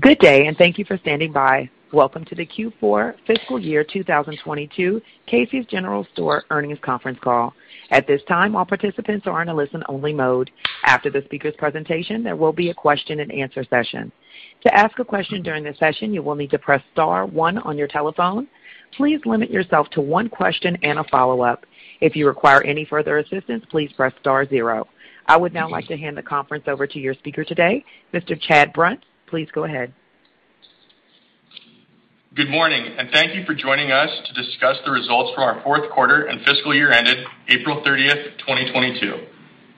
Good day, and thank you for standing by. Welcome to the Q4 fiscal year 2022 Casey's General Stores earnings conference call. At this time, all participants are in a listen-only mode. After the speaker's presentation, there will be a question-and-answer session. To ask a question during this session, you will need to press star one on your telephone. Please limit yourself to one question and a follow-up. If you require any further assistance, please press star zero. I would now like to hand the conference over to your speaker today, Mr. Chad Bruntz. Please go ahead. Good morning, and thank you for joining us to discuss the results for our fourth quarter and fiscal year ended April 30, 2022.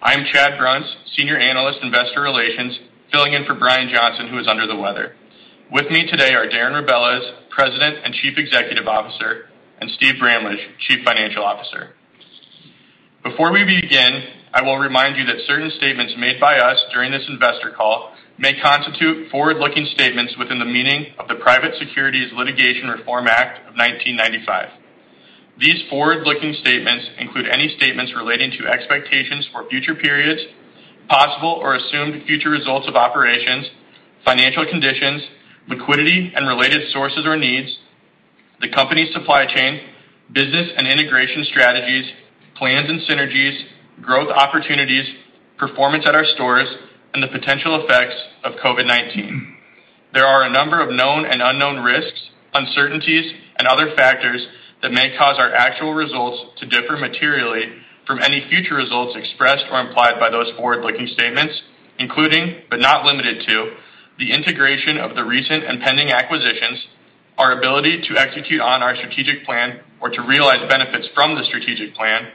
I'm Chad Bruntz, Senior Analyst, Investor Relations, filling in for Brian Johnson, who is under the weather. With me today are Darren Rebelez, President and Chief Executive Officer, and Steve Bramlage, Chief Financial Officer. Before we begin, I will remind you that certain statements made by us during this investor call may constitute forward-looking statements within the meaning of the Private Securities Litigation Reform Act of 1995. These forward-looking statements include any statements relating to expectations for future periods, possible or assumed future results of operations, financial conditions, liquidity and related sources or needs, the company's supply chain, business and integration strategies, plans and synergies, growth opportunities, performance at our stores, and the potential effects of COVID-19. There are a number of known and unknown risks, uncertainties, and other factors that may cause our actual results to differ materially from any future results expressed or implied by those forward-looking statements, including but not limited to the integration of the recent and pending acquisitions, our ability to execute on our strategic plan or to realize benefits from the strategic plan,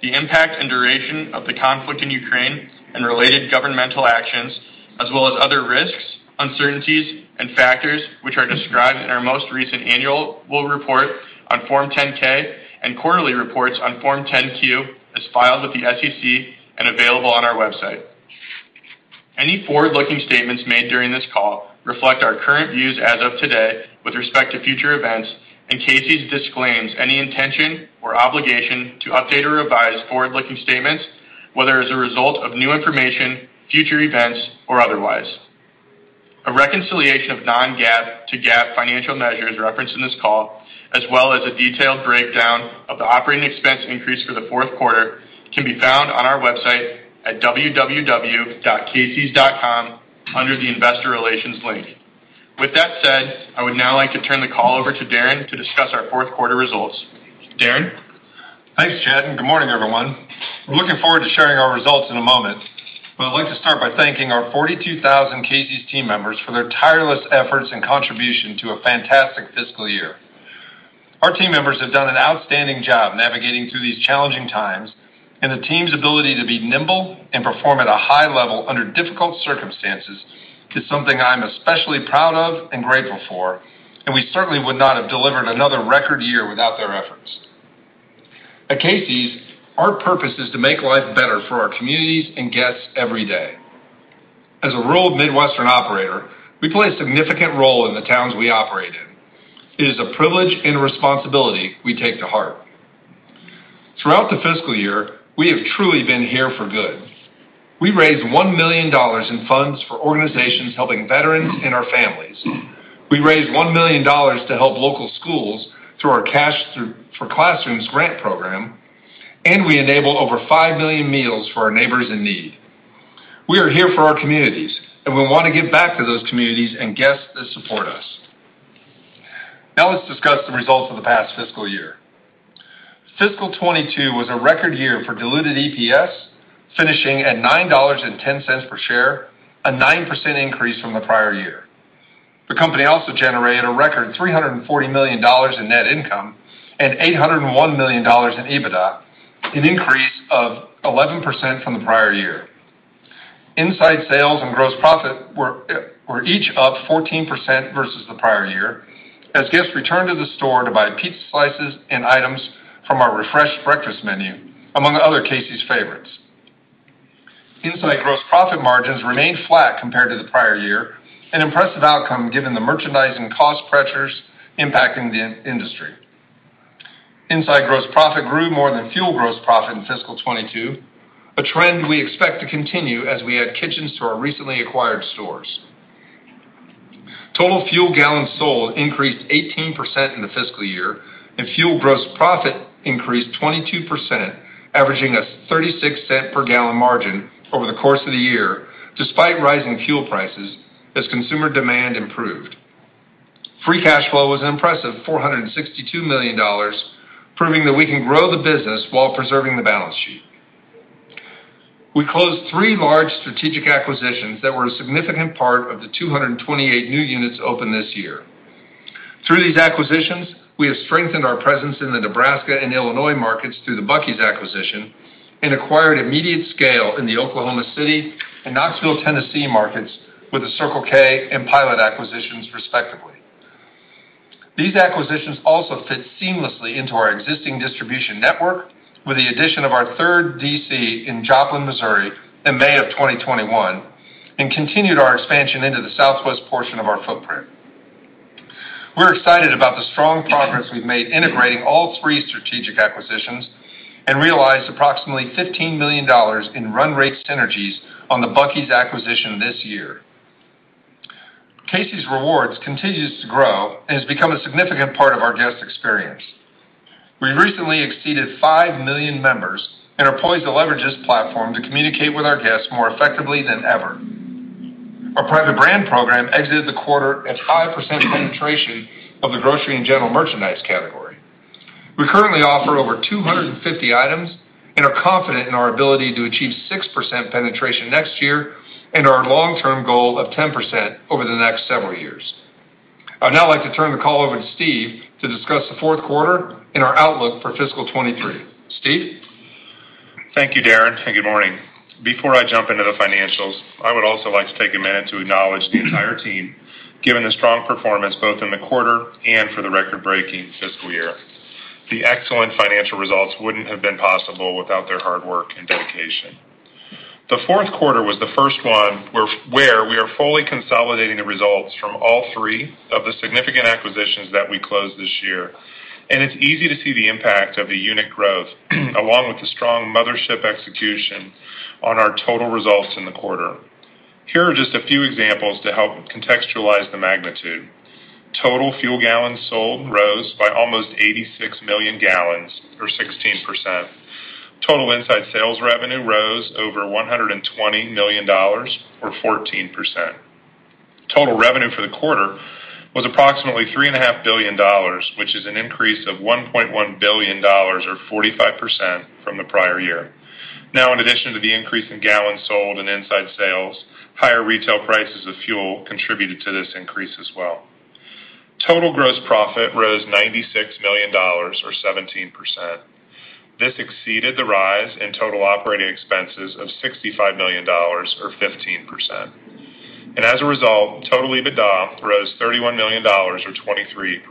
the impact and duration of the conflict in Ukraine and related governmental actions, as well as other risks, uncertainties, and factors which are described in our most recent annual report on Form 10-K and quarterly reports on Form 10-Q as filed with the SEC and available on our website. Any forward-looking statements made during this call reflect our current views as of today with respect to future events, and Casey's disclaims any intention or obligation to update or revise forward-looking statements, whether as a result of new information, future events or otherwise. A reconciliation of non-GAAP to GAAP financial measures referenced in this call, as well as a detailed breakdown of the operating expense increase for the fourth quarter, can be found on our website at www.caseys.com under the Investor Relations link. With that said, I would now like to turn the call over to Darren to discuss our fourth quarter results. Darren? Thanks, Chad, and good morning, everyone. I'm looking forward to sharing our results in a moment, but I'd like to start by thanking our 42,000 Casey's team members for their tireless efforts and contribution to a fantastic fiscal year. Our team members have done an outstanding job navigating through these challenging times, and the team's ability to be nimble and perform at a high level under difficult circumstances is something I'm especially proud of and grateful for, and we certainly would not have delivered another record year without their efforts. At Casey's, our purpose is to make life better for our communities and guests every day. As a rural Midwestern operator, we play a significant role in the towns we operate in. It is a privilege and a responsibility we take to heart. Throughout the fiscal year, we have truly been here for good. We raised $1 million in funds for organizations helping veterans and our families. We raised $1 million to help local schools through our Cash for Classrooms grant program, and we enabled over 5 million meals for our neighbors in need. We are here for our communities, and we want to give back to those communities and guests that support us. Now let's discuss the results of the past fiscal year. Fiscal 2022 was a record year for diluted EPS, finishing at $9.10 per share, a 9% increase from the prior year. The company also generated a record $340 million in net income and $801 million in EBITDA, an 11% increase from the prior year. Inside sales and gross profit were each up 14% versus the prior year as guests returned to the store to buy pizza slices and items from our refreshed breakfast menu, among other Casey's favorites. Inside gross profit margins remained flat compared to the prior year, an impressive outcome given the merchandising cost pressures impacting the industry. Inside gross profit grew more than fuel gross profit in fiscal 2022, a trend we expect to continue as we add kitchens to our recently acquired stores. Total fuel gallons sold increased 18% in the fiscal year, and fuel gross profit increased 22%, averaging a $0.36 per gallon margin over the course of the year despite rising fuel prices as consumer demand improved. Free cash flow was an impressive $462 million, proving that we can grow the business while preserving the balance sheet. We closed three large strategic acquisitions that were a significant part of the 228 new units opened this year. Through these acquisitions, we have strengthened our presence in the Nebraska and Illinois markets through the Bucky's acquisition and acquired immediate scale in the Oklahoma City and Knoxville, Tennessee markets with the Circle K and Pilot acquisitions, respectively. These acquisitions also fit seamlessly into our existing distribution network, with the addition of our third DC in Joplin, Missouri, in May of 2021, and continued our expansion into the southwest portion of our footprint. We're excited about the strong progress we've made integrating all three strategic acquisitions and realized approximately $15 million in run rate synergies on the Bucky's acquisition this year. Casey's Rewards continues to grow and has become a significant part of our guest experience. We recently exceeded 5 million members and are poised to leverage this platform to communicate with our guests more effectively than ever. Our private brand program exited the quarter at 5% penetration of the grocery and general merchandise category. We currently offer over 250 items and are confident in our ability to achieve 6% penetration next year and our long-term goal of 10% over the next several years. I'd now like to turn the call over to Steve to discuss the fourth quarter and our outlook for fiscal 2023. Steve? Thank you, Darren, and good morning. Before I jump into the financials, I would also like to take a minute to acknowledge the entire team, given the strong performance both in the quarter and for the record-breaking fiscal year. The excellent financial results wouldn't have been possible without their hard work and dedication. The fourth quarter was the first one where we are fully consolidating the results from all three of the significant acquisitions that we closed this year, and it's easy to see the impact of the unit growth along with the strong mothership execution on our total results in the quarter. Here are just a few examples to help contextualize the magnitude. Total fuel gallons sold rose by almost 86 million gallons or 16%. Total inside sales revenue rose over $120 million or 14%. Total revenue for the quarter was approximately $3.5 billion, which is an increase of $1.1 billion or 45% from the prior year. Now, in addition to the increase in gallons sold and inside sales, higher retail prices of fuel contributed to this increase as well. Total gross profit rose $96 million or 17%. This exceeded the rise in total operating expenses of $65 million or 15%. As a result, total EBITDA rose $31 million or 23%.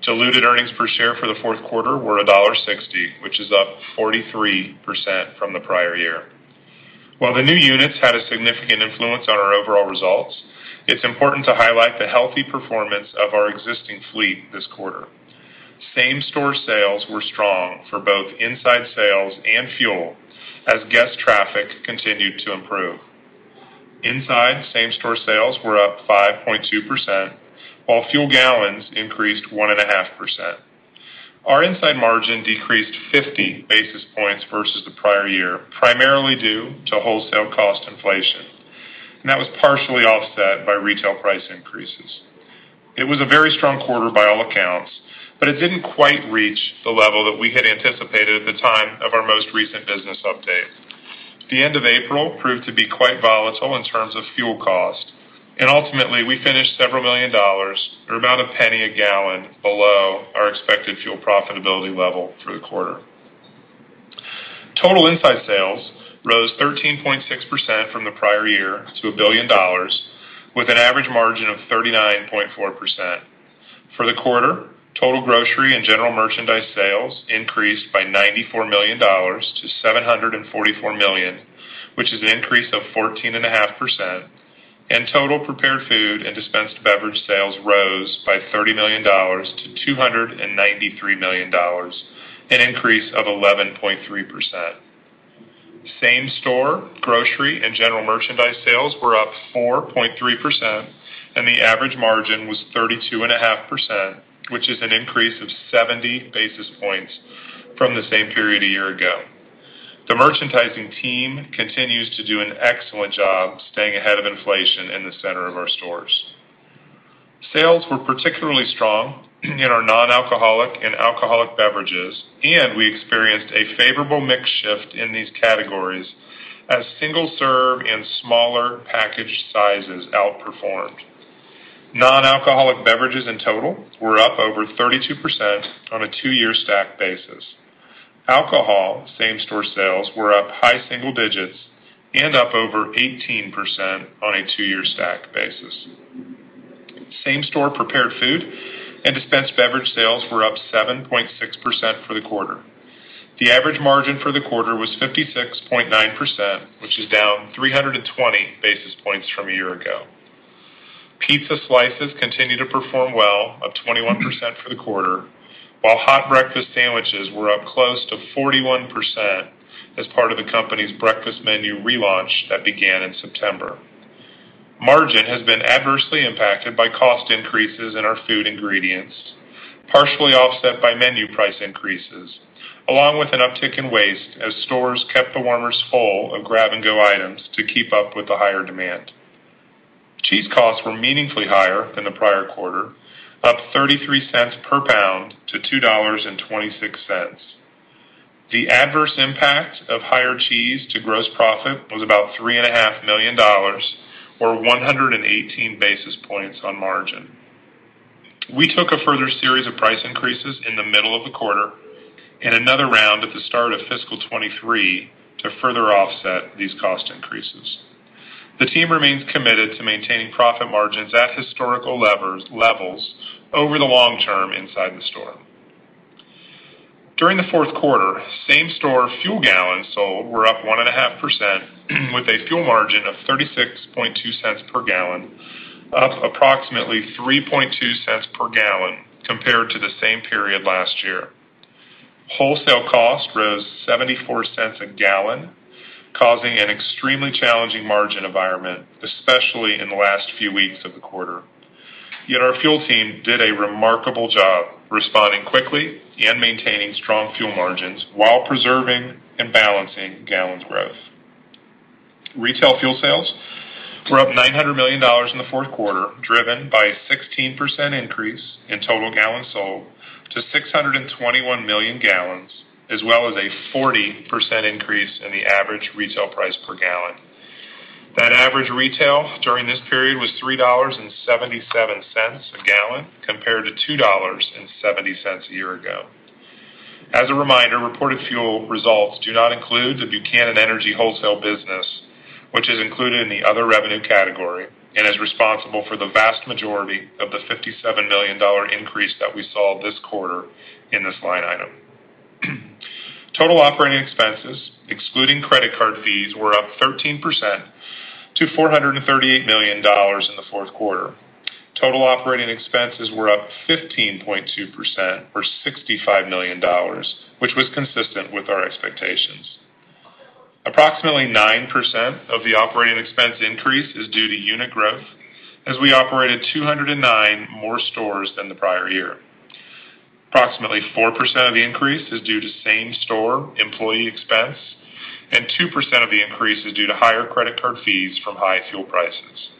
Diluted earnings per share for the fourth quarter were $1.60, which is up 43% from the prior year. While the new units had a significant influence on our overall results, it's important to highlight the healthy performance of our existing fleet this quarter. Same-store sales were strong for both inside sales and fuel as guest traffic continued to improve. Inside same-store sales were up 5.2%, while fuel gallons increased 1.5%. Our inside margin decreased 50 basis points versus the prior year, primarily due to wholesale cost inflation. That was partially offset by retail price increases. It was a very strong quarter by all accounts, but it didn't quite reach the level that we had anticipated at the time of our most recent business update. The end of April proved to be quite volatile in terms of fuel cost, and ultimately, we finished $several million or about $0.01 a gallon below our expected fuel profitability level for the quarter. Total inside sales rose 13.6% from the prior year to $1 billion, with an average margin of 39.4%. For the quarter, total grocery and general merchandise sales increased by $94 million to $744 million, which is an increase of 14.5%, and total prepared food and dispensed beverage sales rose by $30 million to $293 million, an increase of 11.3%. Same-store grocery and general merchandise sales were up 4.3%, and the average margin was 32.5%, which is an increase of 70 basis points from the same period a year ago. The merchandising team continues to do an excellent job staying ahead of inflation in the center of our stores. Sales were particularly strong in our non-alcoholic and alcoholic beverages, and we experienced a favorable mix shift in these categories as single serve and smaller package sizes outperformed. Non-alcoholic beverages in total were up over 32% on a two-year stack basis. Alcohol same-store sales were up high single digits and up over 18% on a two-year stack basis. Same-store prepared food and dispensed beverage sales were up 7.6% for the quarter. The average margin for the quarter was 56.9%, which is down 320 basis points from a year ago. Pizza slices continue to perform well, up 21% for the quarter, while hot breakfast sandwiches were up close to 41% as part of the company's breakfast menu relaunch that began in September. Margin has been adversely impacted by cost increases in our food ingredients, partially offset by menu price increases, along with an uptick in waste as stores kept the warmers full of grab-and-go items to keep up with the higher demand. Cheese costs were meaningfully higher than the prior quarter, up 33 cents per pound to $2.26. The adverse impact of higher cheese to gross profit was about $3.5 million or 118 basis points on margin. We took a further series of price increases in the middle of the quarter and another round at the start of fiscal 2023 to further offset these cost increases. The team remains committed to maintaining profit margins at historical levels over the long term inside the store. During the fourth quarter, same-store fuel gallons sold were up 1.5% with a fuel margin of 36.2 cents per gallon, up approximately 3.2 cents per gallon compared to the same period last year. Wholesale cost rose $0.74 a gallon, causing an extremely challenging margin environment, especially in the last few weeks of the quarter. Yet our fuel team did a remarkable job responding quickly and maintaining strong fuel margins while preserving and balancing gallons growth. Retail fuel sales were up $900 million in the fourth quarter, driven by a 16% increase in total gallons sold to 621 million gallons, as well as a 40% increase in the average retail price per gallon. That average retail during this period was $3.77 a gallon, compared to $2.70 a year ago. As a reminder, reported fuel results do not include the Buchanan Energy wholesale business, which is included in the other revenue category and is responsible for the vast majority of the $57 million increase that we saw this quarter in this line item. Total operating expenses, excluding credit card fees, were up 13% to $438 million in the fourth quarter. Total operating expenses were up 15.2% or $65 million, which was consistent with our expectations. Approximately 9% of the operating expense increase is due to unit growth as we operated 209 more stores than the prior year. Approximately 4% of the increase is due to same-store employee expense, and 2% of the increase is due to higher credit card fees from high fuel prices.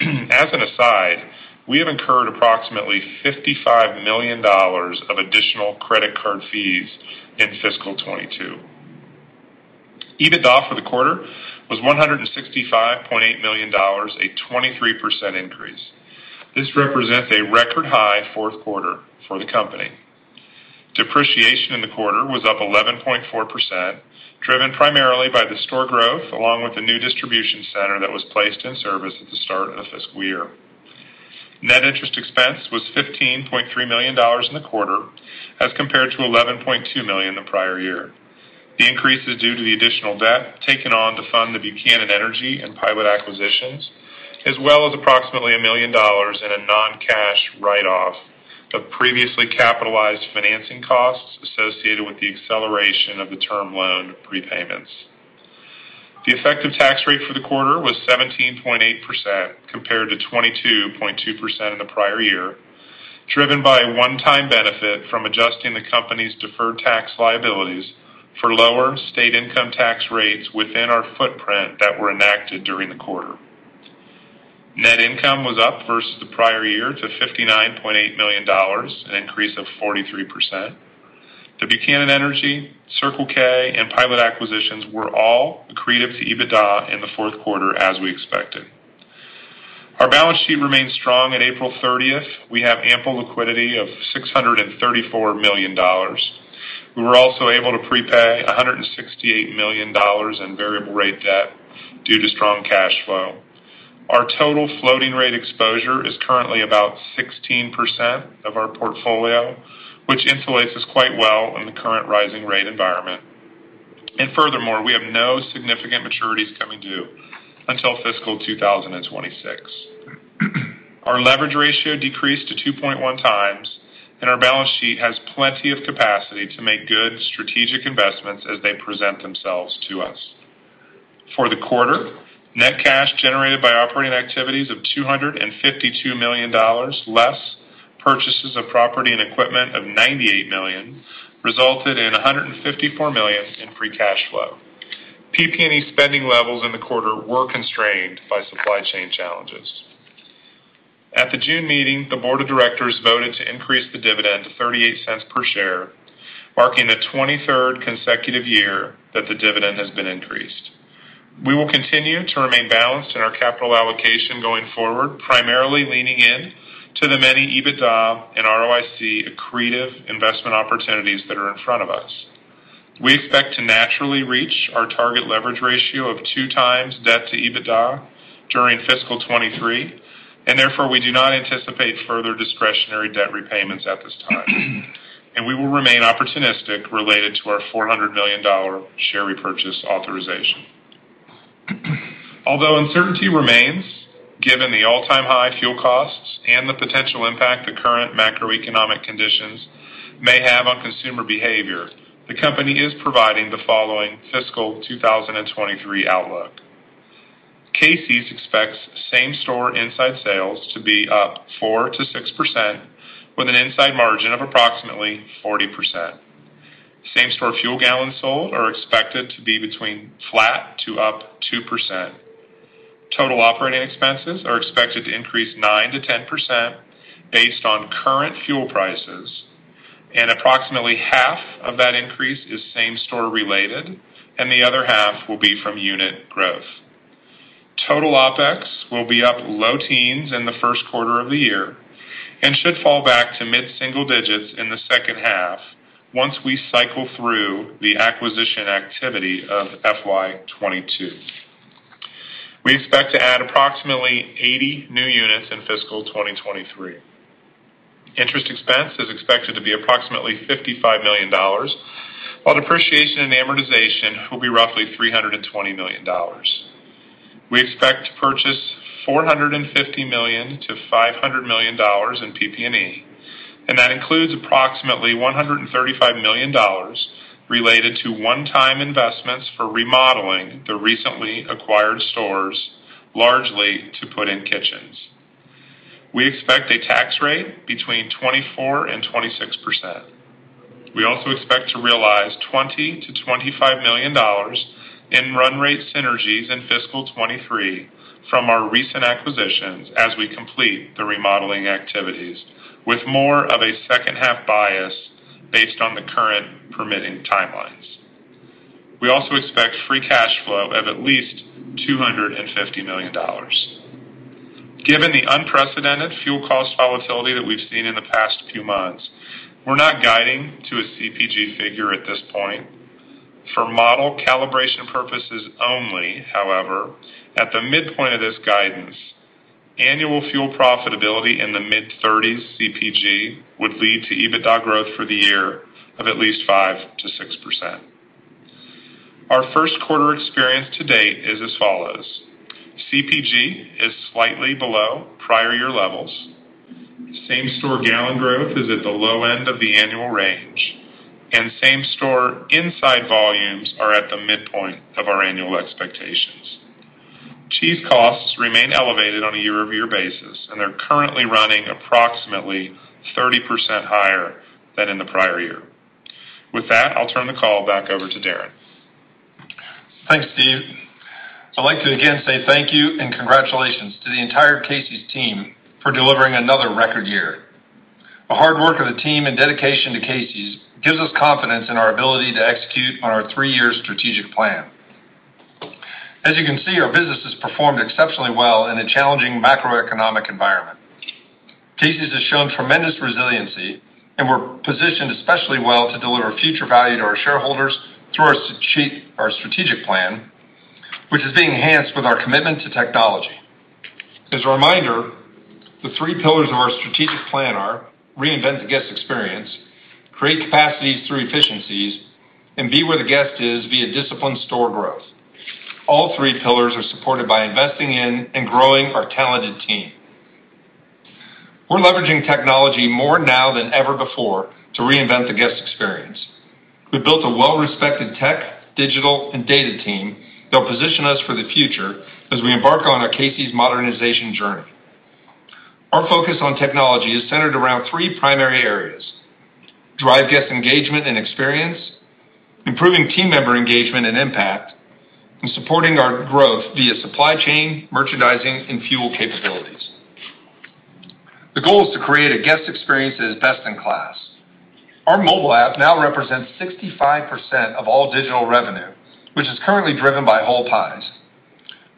As an aside, we have incurred approximately $55 million of additional credit card fees in fiscal 2022. EBITDA for the quarter was $165.8 million, a 23% increase. This represents a record high fourth quarter for the company. Depreciation in the quarter was up 11.4%, driven primarily by the store growth, along with the new distribution center that was placed in service at the start of the fiscal year. Net interest expense was $15.3 million in the quarter as compared to $11.2 million the prior year. The increase is due to the additional debt taken on to fund the Buchanan Energy and Pilot Company acquisitions, as well as approximately $1 million in a non-cash write-off of previously capitalized financing costs associated with the acceleration of the term loan prepayments. The effective tax rate for the quarter was 17.8% compared to 22.2% in the prior year, driven by a one-time benefit from adjusting the company's deferred tax liabilities for lower state income tax rates within our footprint that were enacted during the quarter. Net income was up versus the prior year to $59.8 million, an increase of 43%. The Buchanan Energy, Circle K, and Pilot acquisitions were all accretive to EBITDA in the fourth quarter as we expected. Our balance sheet remains strong at April 30. We have ample liquidity of $634 million. We were also able to prepay $168 million in variable rate debt due to strong cash flow. Our total floating rate exposure is currently about 16% of our portfolio, which insulates us quite well in the current rising rate environment. Furthermore, we have no significant maturities coming due until fiscal 2026. Our leverage ratio decreased to 2.1 times, and our balance sheet has plenty of capacity to make good strategic investments as they present themselves to us. For the quarter, net cash generated by operating activities of $252 million, less purchases of property and equipment of $98 million, resulted in $154 million in free cash flow. PP&E spending levels in the quarter were constrained by supply chain challenges. At the June meeting, the board of directors voted to increase the dividend to $0.38 per share, marking the 23rd consecutive year that the dividend has been increased. We will continue to remain balanced in our capital allocation going forward, primarily leaning in to the many EBITDA and ROIC accretive investment opportunities that are in front of us. We expect to naturally reach our target leverage ratio of 2x debt to EBITDA during fiscal 2023, and therefore, we do not anticipate further discretionary debt repayments at this time, and we will remain opportunistic related to our $400 million share repurchase authorization. Although uncertainty remains, given the all-time high fuel costs and the potential impact the current macroeconomic conditions may have on consumer behavior, the company is providing the following fiscal 2023 outlook. Casey's expects same-store inside sales to be up 4%-6% with an inside margin of approximately 40%. Same-store fuel gallons sold are expected to be flat to up 2%. Total operating expenses are expected to increase 9%-10% based on current fuel prices, and approximately half of that increase is same-store related and the other half will be from unit growth. Total OpEx will be up low teens% in the first quarter of the year and should fall back to mid-single digits% in the second half once we cycle through the acquisition activity of FY 2022. We expect to add approximately 80 new units in fiscal 2023. Interest expense is expected to be approximately $55 million, while depreciation and amortization will be roughly $320 million. We expect to purchase $450 million-$500 million in PP&E, and that includes approximately $135 million related to one-time investments for remodeling the recently acquired stores, largely to put in kitchens. We expect a tax rate between 24%-26%. We also expect to realize $20 million-$25 million in run rate synergies in fiscal 2023 from our recent acquisitions as we complete the remodeling activities with more of a second-half bias based on the current permitting timelines. We also expect free cash flow of at least $250 million. Given the unprecedented fuel cost volatility that we've seen in the past few months, we're not guiding to a CPG figure at this point. For model calibration purposes only, however, at the midpoint of this guidance, annual fuel profitability in the mid-30s CPG would lead to EBITDA growth for the year of at least 5%-6%. Our first quarter experience to date is as follows: CPG is slightly below prior year levels. Same-store gallon growth is at the low end of the annual range, and same-store inside volumes are at the midpoint of our annual expectations. Cheese costs remain elevated on a year-over-year basis, and they're currently running approximately 30% higher than in the prior year. With that, I'll turn the call back over to Darren. Thanks, Steve. I'd like to again say thank you and congratulations to the entire Casey's team for delivering another record year. The hard work of the team and dedication to Casey's gives us confidence in our ability to execute on our three-year strategic plan. As you can see, our business has performed exceptionally well in a challenging macroeconomic environment. Casey's has shown tremendous resiliency, and we're positioned especially well to deliver future value to our shareholders through our strategic plan, which is being enhanced with our commitment to technology. As a reminder, the three pillars of our strategic plan are reinvent the guest experience, create capacities through efficiencies, and be where the guest is via disciplined store growth. All three pillars are supported by investing in and growing our talented team. We're leveraging technology more now than ever before to reinvent the guest experience. We built a well-respected tech, digital, and data team that will position us for the future as we embark on our Casey's modernization journey. Our focus on technology is centered around three primary areas, drive guest engagement and experience, improving team member engagement and impact, and supporting our growth via supply chain, merchandising, and fuel capabilities. The goal is to create a guest experience that is best in class. Our mobile app now represents 65% of all digital revenue, which is currently driven by whole pies.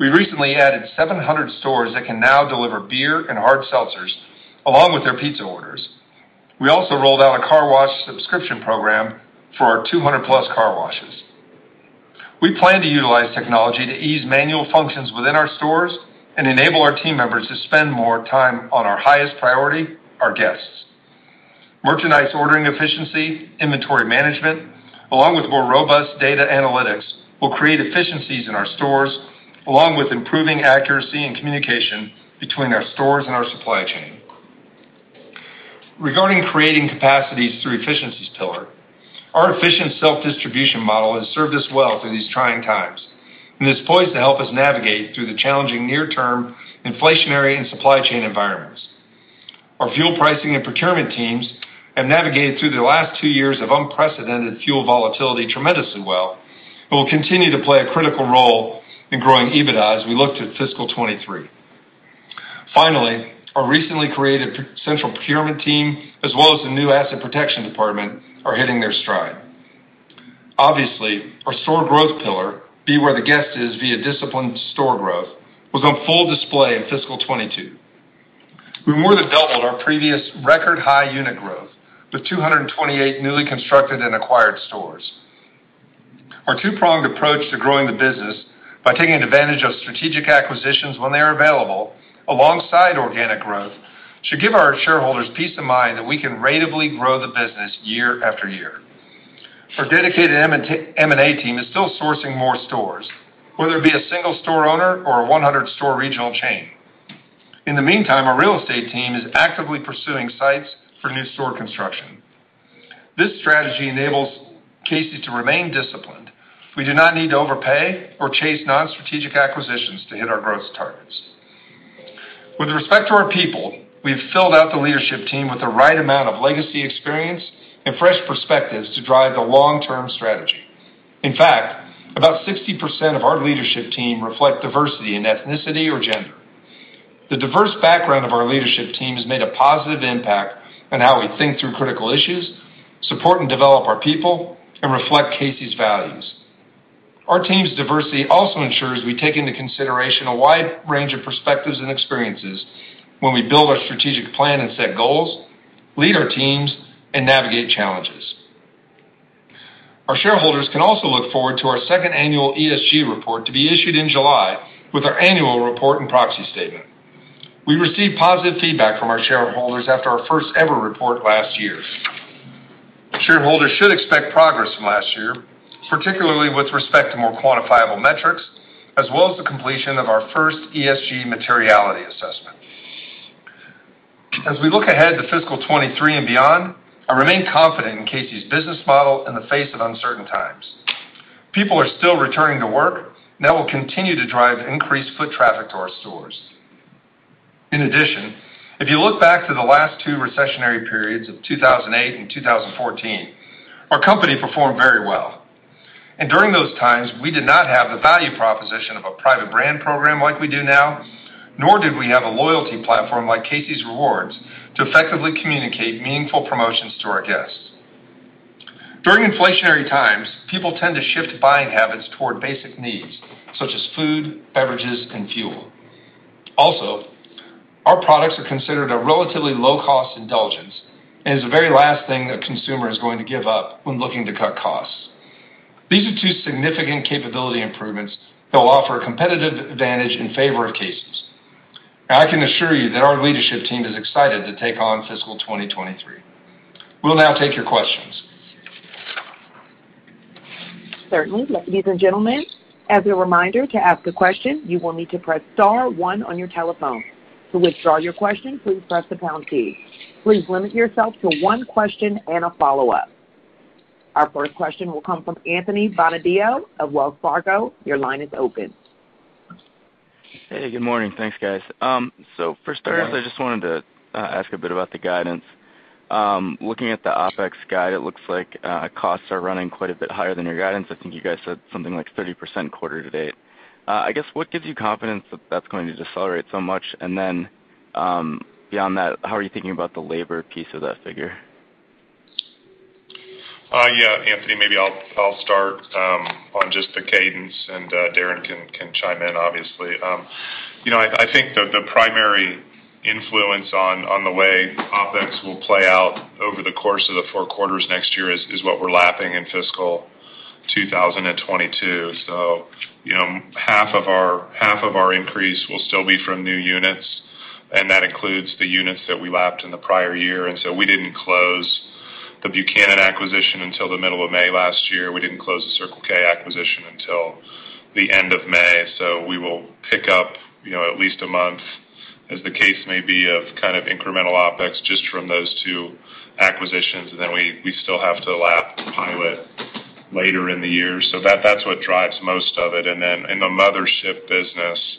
We recently added 700 stores that can now deliver beer and hard seltzers along with their pizza orders. We also rolled out a car wash subscription program for our 200+ car washes. We plan to utilize technology to ease manual functions within our stores and enable our team members to spend more time on our highest priority, our guests. Merchandise ordering efficiency, inventory management, along with more robust data analytics, will create efficiencies in our stores, along with improving accuracy and communication between our stores and our supply chain. Regarding creating capacities through efficiencies pillar, our efficient self-distribution model has served us well through these trying times and is poised to help us navigate through the challenging near-term inflationary and supply chain environments. Our fuel pricing and procurement teams have navigated through the last two years of unprecedented fuel volatility tremendously well and will continue to play a critical role in growing EBITDA as we look to fiscal 2023. Finally, our recently created central procurement team, as well as the new asset protection department, are hitting their stride. Obviously, our store growth pillar, be where the guest is via disciplined store growth, was on full display in fiscal 2022. We more than doubled our previous record high unit growth with 228 newly constructed and acquired stores. Our two-pronged approach to growing the business by taking advantage of strategic acquisitions when they are available alongside organic growth, should give our shareholders peace of mind that we can ratably grow the business year after year. Our dedicated M&A team is still sourcing more stores, whether it be a single-store owner or a 100-store regional chain. In the meantime, our real estate team is actively pursuing sites for new store construction. This strategy enables Casey's to remain disciplined. We do not need to overpay or chase non-strategic acquisitions to hit our growth targets. With respect to our people, we've filled out the leadership team with the right amount of legacy experience and fresh perspectives to drive the long-term strategy. In fact, about 60% of our leadership team reflect diversity in ethnicity or gender. The diverse background of our leadership team has made a positive impact on how we think through critical issues, support and develop our people, and reflect Casey's values. Our team's diversity also ensures we take into consideration a wide range of perspectives and experiences when we build our strategic plan and set goals, lead our teams, and navigate challenges. Our shareholders can also look forward to our second annual ESG report to be issued in July with our annual report and proxy statement. We received positive feedback from our shareholders after our first ever report last year. Shareholders should expect progress from last year, particularly with respect to more quantifiable metrics, as well as the completion of our first ESG materiality assessment. As we look ahead to fiscal 2023 and beyond, I remain confident in Casey's business model in the face of uncertain times. People are still returning to work, and that will continue to drive increased foot traffic to our stores. In addition, if you look back to the last two recessionary periods of 2008 and 2014, our company performed very well. During those times, we did not have the value proposition of a private brand program like we do now, nor did we have a loyalty platform like Casey's Rewards to effectively communicate meaningful promotions to our guests. During inflationary times, people tend to shift buying habits toward basic needs such as food, beverages, and fuel. Also, our products are considered a relatively low-cost indulgence and is the very last thing a consumer is going to give up when looking to cut costs. These are two significant capability improvements that will offer a competitive advantage in favor of Casey's. I can assure you that our leadership team is excited to take on fiscal 2023. We'll now take your questions. Certainly. Ladies and gentlemen, as a reminder to ask a question, you will need to press star one on your telephone. To withdraw your question, please press the pound key. Please limit yourself to one question and a follow-up. Our first question will come from Anthony Bonadio of Wells Fargo. Your line is open. Hey, good morning. Thanks, guys. For starters, I just wanted to ask a bit about the guidance. Looking at the OpEx guide, it looks like costs are running quite a bit higher than your guidance. I think you guys said something like 30% quarter to date. I guess, what gives you confidence that that's going to decelerate so much? Then, beyond that, how are you thinking about the labor piece of that figure? Yeah, Anthony, maybe I'll start on just the cadence and Darren can chime in obviously. You know, I think the primary influence on the way OpEx will play out over the course of the four quarters next year is what we're lapping in fiscal 2022. You know, half of our increase will still be from new units, and that includes the units that we lapped in the prior year. We didn't close the Buchanan Energy acquisition until the middle of May last year. We didn't close the Circle K acquisition until the end of May. We will pick up, you know, at least a month as the case may be of kind of incremental OpEx just from those two acquisitions. We still have to lap Pilot later in the year. That's what drives most of it. In the mothership business,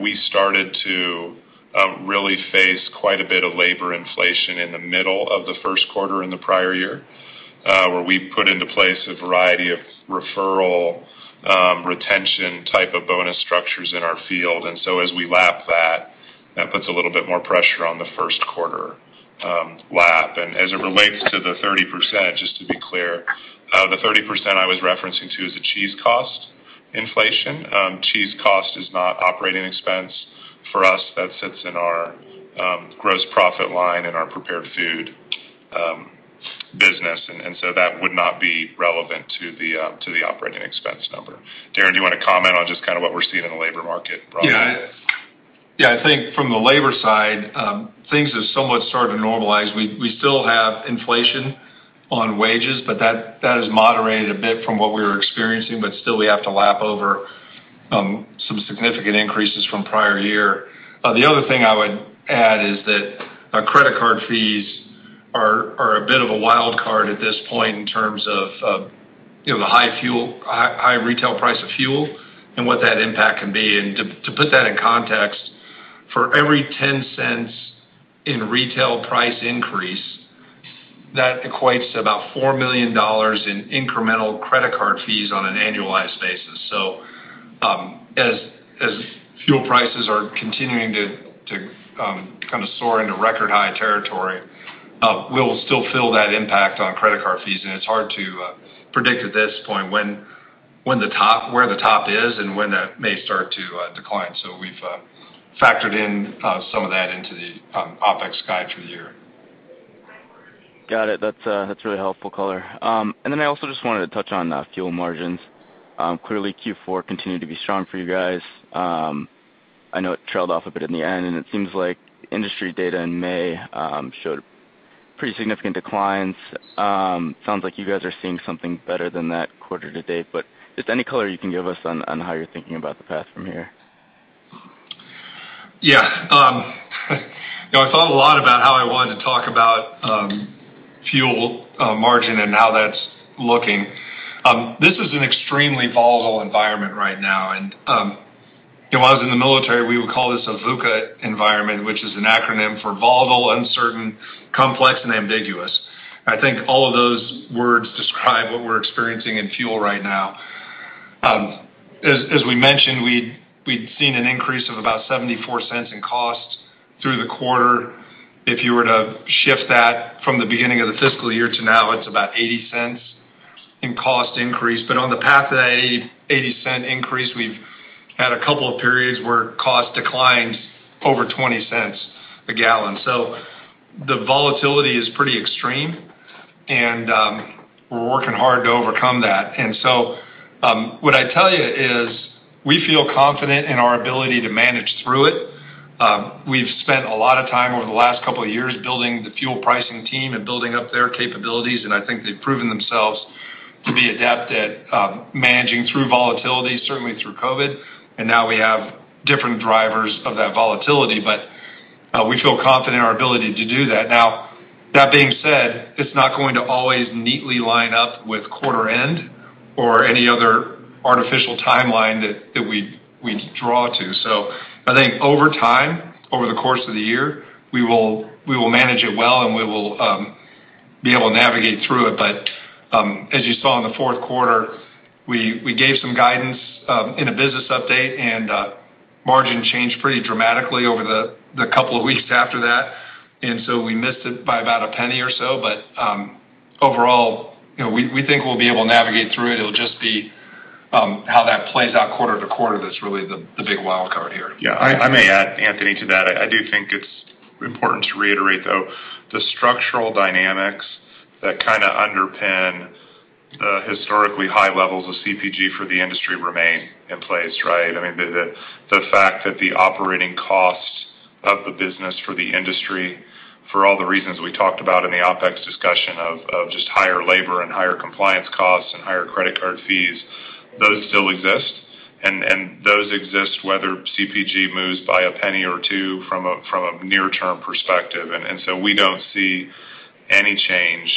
we started to really face quite a bit of labor inflation in the middle of the first quarter in the prior year, where we put into place a variety of referral, retention type of bonus structures in our field. As we lap that puts a little bit more pressure on the first quarter lap. As it relates to the 30%, just to be clear, the 30% I was referencing to is the cheese cost inflation. Cheese cost is not operating expense for us. That sits in our gross profit line in our prepared food business. That would not be relevant to the operating expense number. Darren, do you wanna comment on just kind of what we're seeing in the labor market broadly? Yeah. Yeah. I think from the labor side, things have somewhat started to normalize. We still have inflation on wages, but that has moderated a bit from what we were experiencing, but still we have to lap over some significant increases from prior year. The other thing I would add is that our credit card fees are a bit of a wild card at this point in terms of you know, the high retail price of fuel and what that impact can be. To put that in context, for every $0.10 in retail price increase, that equates to about $4 million in incremental credit card fees on an annualized basis. As fuel prices are continuing to kind of soar into record high territory, we'll still feel that impact on credit card fees, and it's hard to predict at this point where the top is and when that may start to decline. We've factored in some of that into the OpEx guide through the year. Got it. That's really helpful color. I also just wanted to touch on fuel margins. Clearly Q4 continued to be strong for you guys. I know it trailed off a bit in the end, and it seems like industry data in May showed pretty significant declines. Sounds like you guys are seeing something better than that quarter to date, but just any color you can give us on how you're thinking about the path from here. Yeah. You know, I thought a lot about how I wanted to talk about fuel margin and how that's looking. This is an extremely volatile environment right now. You know, when I was in the military, we would call this a VUCA environment, which is an acronym for Volatile, Uncertain, Complex, and Ambiguous. I think all of those words describe what we're experiencing in fuel right now. As we mentioned, we'd seen an increase of about $0.74 in costs through the quarter. If you were to shift that from the beginning of the fiscal year to now, it's about $0.80 in cost increase. But on the path to that $0.80 increase, we've had a couple of periods where cost declines over $0.20 a gallon. The volatility is pretty extreme and we're working hard to overcome that. What I tell you is we feel confident in our ability to manage through it. We've spent a lot of time over the last couple of years building the fuel pricing team and building up their capabilities, and I think they've proven themselves to be adept at managing through volatility, certainly through COVID. Now we have different drivers of that volatility. We feel confident in our ability to do that. Now, that being said, it's not going to always neatly line up with quarter end or any other artificial timeline that we draw to. I think over time, over the course of the year, we will manage it well, and we will be able to navigate through it. As you saw in the fourth quarter, we gave some guidance in a business update, and margin changed pretty dramatically over the couple of weeks after that, and so we missed it by about a penny or so. Overall, you know, we think we'll be able to navigate through it. It'll just be how that plays out quarter to quarter. That's really the big wildcard here. Yeah. I may add, Anthony, to that. I do think it's important to reiterate, though, the structural dynamics that kinda underpin the historically high levels of CPG for the industry remain in place, right? I mean, the fact that the operating costs of the business for the industry, for all the reasons we talked about in the OpEx discussion of just higher labor and higher compliance costs and higher credit card fees, those still exist. Those exist whether CPG moves by a penny or two from a near-term perspective. We don't see any change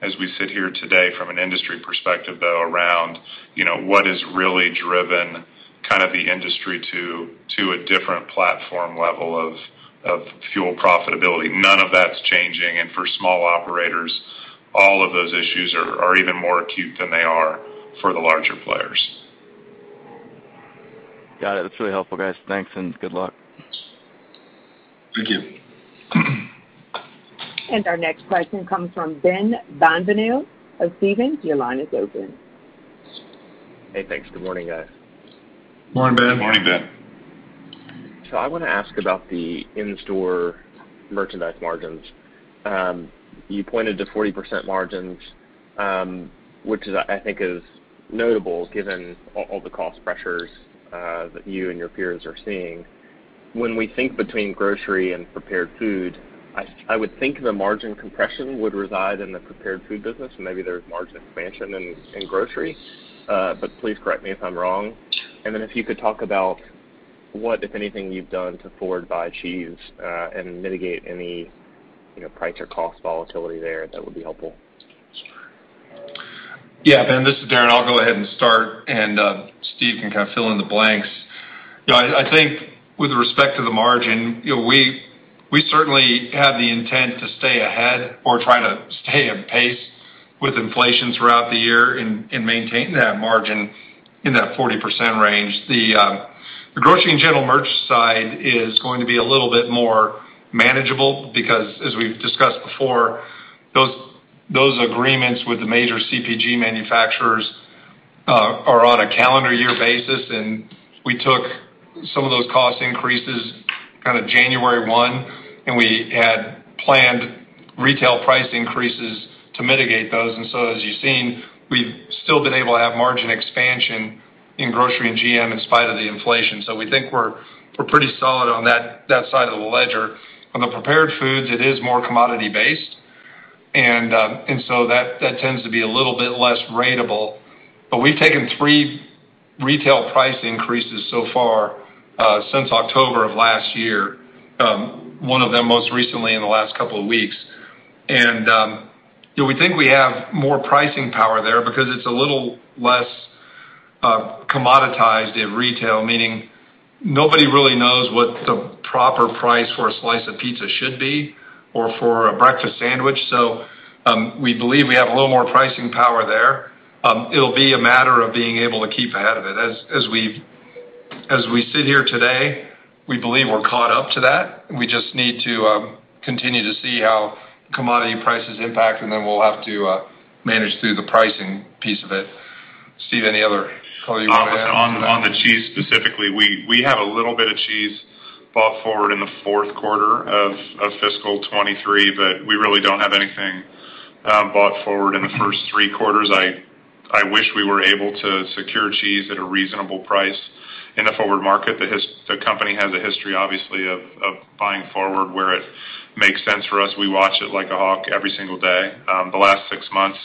as we sit here today from an industry perspective, though, around, you know, what has really driven kind of the industry to a different platform level of fuel profitability. None of that's changing. For small operators, all of those issues are even more acute than they are for the larger players. Got it. That's really helpful, guys. Thanks and good luck. Thank you. Our next question comes from Ben Bienvenu of Stephens. Your line is open. Hey, thanks. Good morning, guys. Morning, Ben. Morning, Ben. I wanna ask about the in-store merchandise margins. You pointed to 40% margins, which I think is notable given all the cost pressures that you and your peers are seeing. When we think between grocery and prepared food, I would think the margin compression would reside in the prepared food business, and maybe there's margin expansion in grocery. But please correct me if I'm wrong. Then if you could talk about what, if anything, you've done to forward buy cheese and mitigate any, you know, price or cost volatility there, that would be helpful. Yeah. Ben, this is Darren. I'll go ahead and start and Steve can kind of fill in the blanks. You know, I think with respect to the margin, you know, we certainly have the intent to stay ahead or try to stay at pace with inflation throughout the year and maintain that margin in that 40% range. The grocery and general merch side is going to be a little bit more manageable because as we've discussed before, those agreements with the major CPG manufacturers are on a calendar year basis, and we took some of those cost increases kinda January 1, and we had planned retail price increases to mitigate those. As you've seen, we've still been able to have margin expansion in grocery and GM in spite of the inflation. We think we're pretty solid on that side of the ledger. On the prepared foods, it is more commodity based and that tends to be a little bit less ratable. We've taken three retail price increases so far since October of last year, one of them most recently in the last couple of weeks. You know, we think we have more pricing power there because it's a little less commoditized in retail, meaning nobody really knows what the proper price for a slice of pizza should be or for a breakfast sandwich. We believe we have a little more pricing power there. It'll be a matter of being able to keep ahead of it. As we sit here today, we believe we're caught up to that. We just need to continue to see how commodity prices impact, and then we'll have to manage through the pricing piece of it. Steve, any other color you wanna add to that? On the cheese specifically, we have a little bit of cheese bought forward in the fourth quarter of fiscal 2023, but we really don't have anything bought forward in the first three quarters. I wish we were able to secure cheese at a reasonable price in the forward market. The company has a history, obviously, of buying forward where it makes sense for us. We watch it like a hawk every single day. The last six months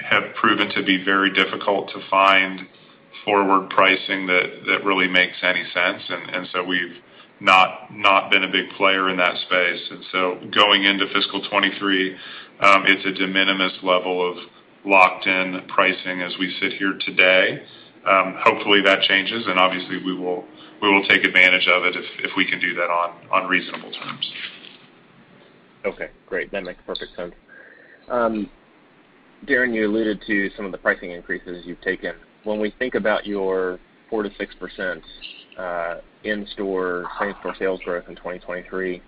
have proven to be very difficult to find forward pricing that really makes any sense. We've not been a big player in that space. Going into fiscal 2023, it's a de minimis level of locked-in pricing as we sit here today. Hopefully, that changes and obviously we will take advantage of it if we can do that on reasonable terms. Okay. Great. That makes perfect sense. Darren, you alluded to some of the pricing increases you've taken. When we think about your 4%-6% in-store same-store sales growth in 2023,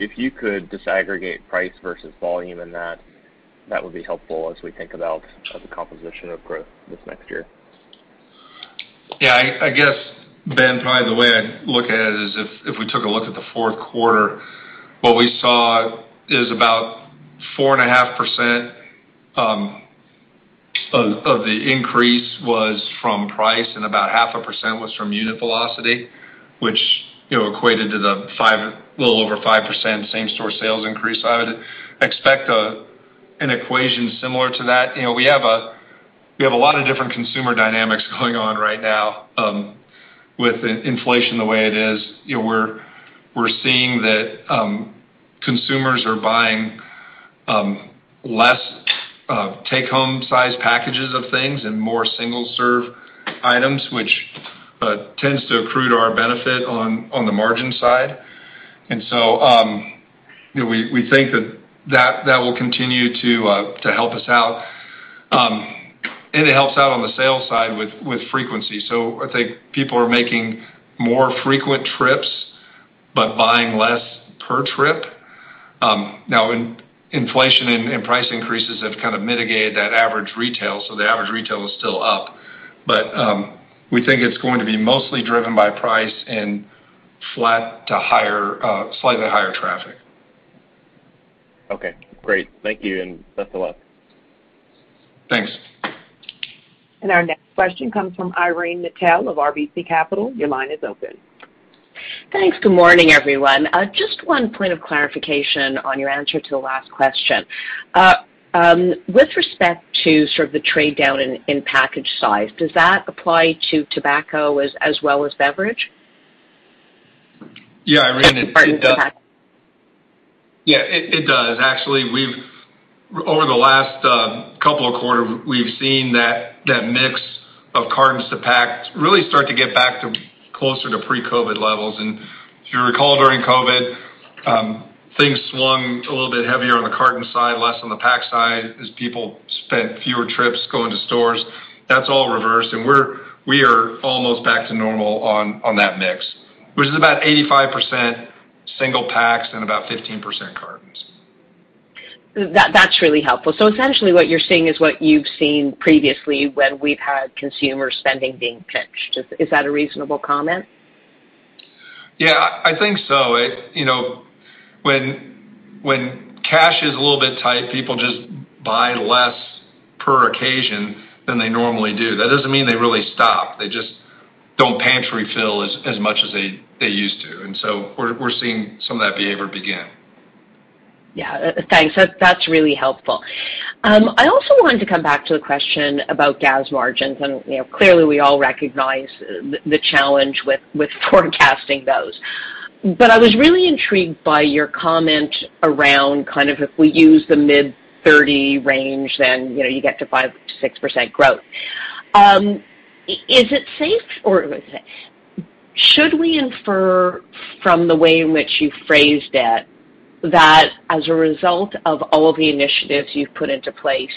if you could disaggregate price versus volume in that would be helpful as we think about the composition of growth this next year. Yeah, I guess, Ben, probably the way I'd look at it is if we took a look at the fourth quarter, what we saw is about 4.5% of the increase was from price, and about 0.5% was from unit velocity, which, you know, equated to a little over 5% same-store sales increase. I would expect an equation similar to that. You know, we have a lot of different consumer dynamics going on right now with inflation the way it is. You know, we're seeing that consumers are buying less take-home size packages of things and more single-serve items, which tends to accrue to our benefit on the margin side. You know, we think that will continue to help us out. It helps out on the sales side with frequency. I think people are making more frequent trips but buying less per trip. Now in inflation and price increases have kind of mitigated that average retail, so the average retail is still up. We think it's going to be mostly driven by price and flat to higher, slightly higher traffic. Okay, great. Thank you, and best of luck. Thanks. Our next question comes from Irene Nattel of RBC Capital. Your line is open. Thanks. Good morning, everyone. Just one point of clarification on your answer to the last question. With respect to sort of the trade-down in package size, does that apply to tobacco as well as beverage? Yeah, Irene, it does. Yeah, it does. Actually, over the last couple of quarters, we've seen that mix of cartons to packs really start to get back to closer to pre-COVID levels. If you recall, during COVID, things swung a little bit heavier on the carton side, less on the pack side as people spent fewer trips going to stores. That's all reversed, and we are almost back to normal on that mix, which is about 85% single packs and about 15% cartons. That's really helpful. Essentially what you're seeing is what you've seen previously when we've had consumer spending being pinched. Is that a reasonable comment? Yeah, I think so. It, you know, when cash is a little bit tight, people just buy less per occasion than they normally do. That doesn't mean they really stop. They just don't pantry fill as much as they used to. We're seeing some of that behavior begin. Yeah. Thanks. That's really helpful. I also wanted to come back to the question about gas margins, and you know, clearly we all recognize the challenge with forecasting those. I was really intrigued by your comment around kind of if we use the mid-30 range, then you know, you get to 5%-6% growth. Is it safe or should we infer from the way in which you phrased it, that as a result of all the initiatives you've put into place,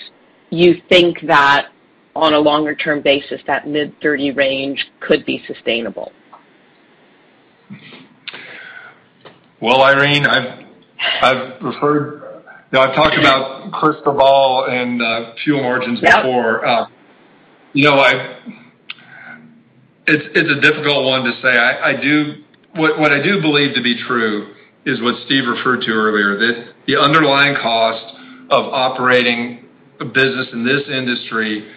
you think that on a long-term basis, that mid-30 range could be sustainable? Well, Irene, you know, I've talked about crystal ball and fuel margins before. Yep. You know, it's a difficult one to say. What I do believe to be true is what Steve referred to earlier, that the underlying cost of operating a business in this industry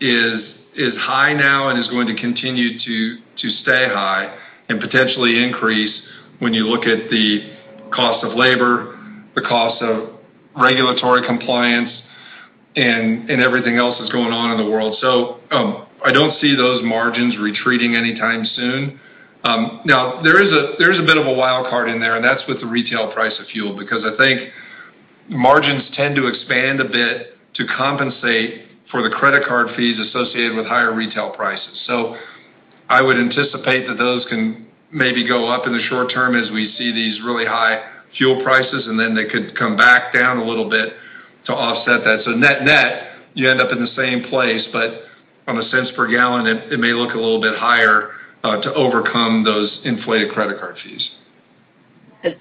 is high now and is going to continue to stay high and potentially increase when you look at the cost of labor, the cost of regulatory compliance and everything else that's going on in the world. I don't see those margins retreating anytime soon. Now there is a bit of a wild card in there, and that's with the retail price of fuel, because I think margins tend to expand a bit to compensate for the credit card fees associated with higher retail prices. I would anticipate that those can maybe go up in the short term as we see these really high fuel prices, and then they could come back down a little bit to offset that. Net-net, you end up in the same place, but on a cents per gallon, it may look a little bit higher to overcome those inflated credit card fees.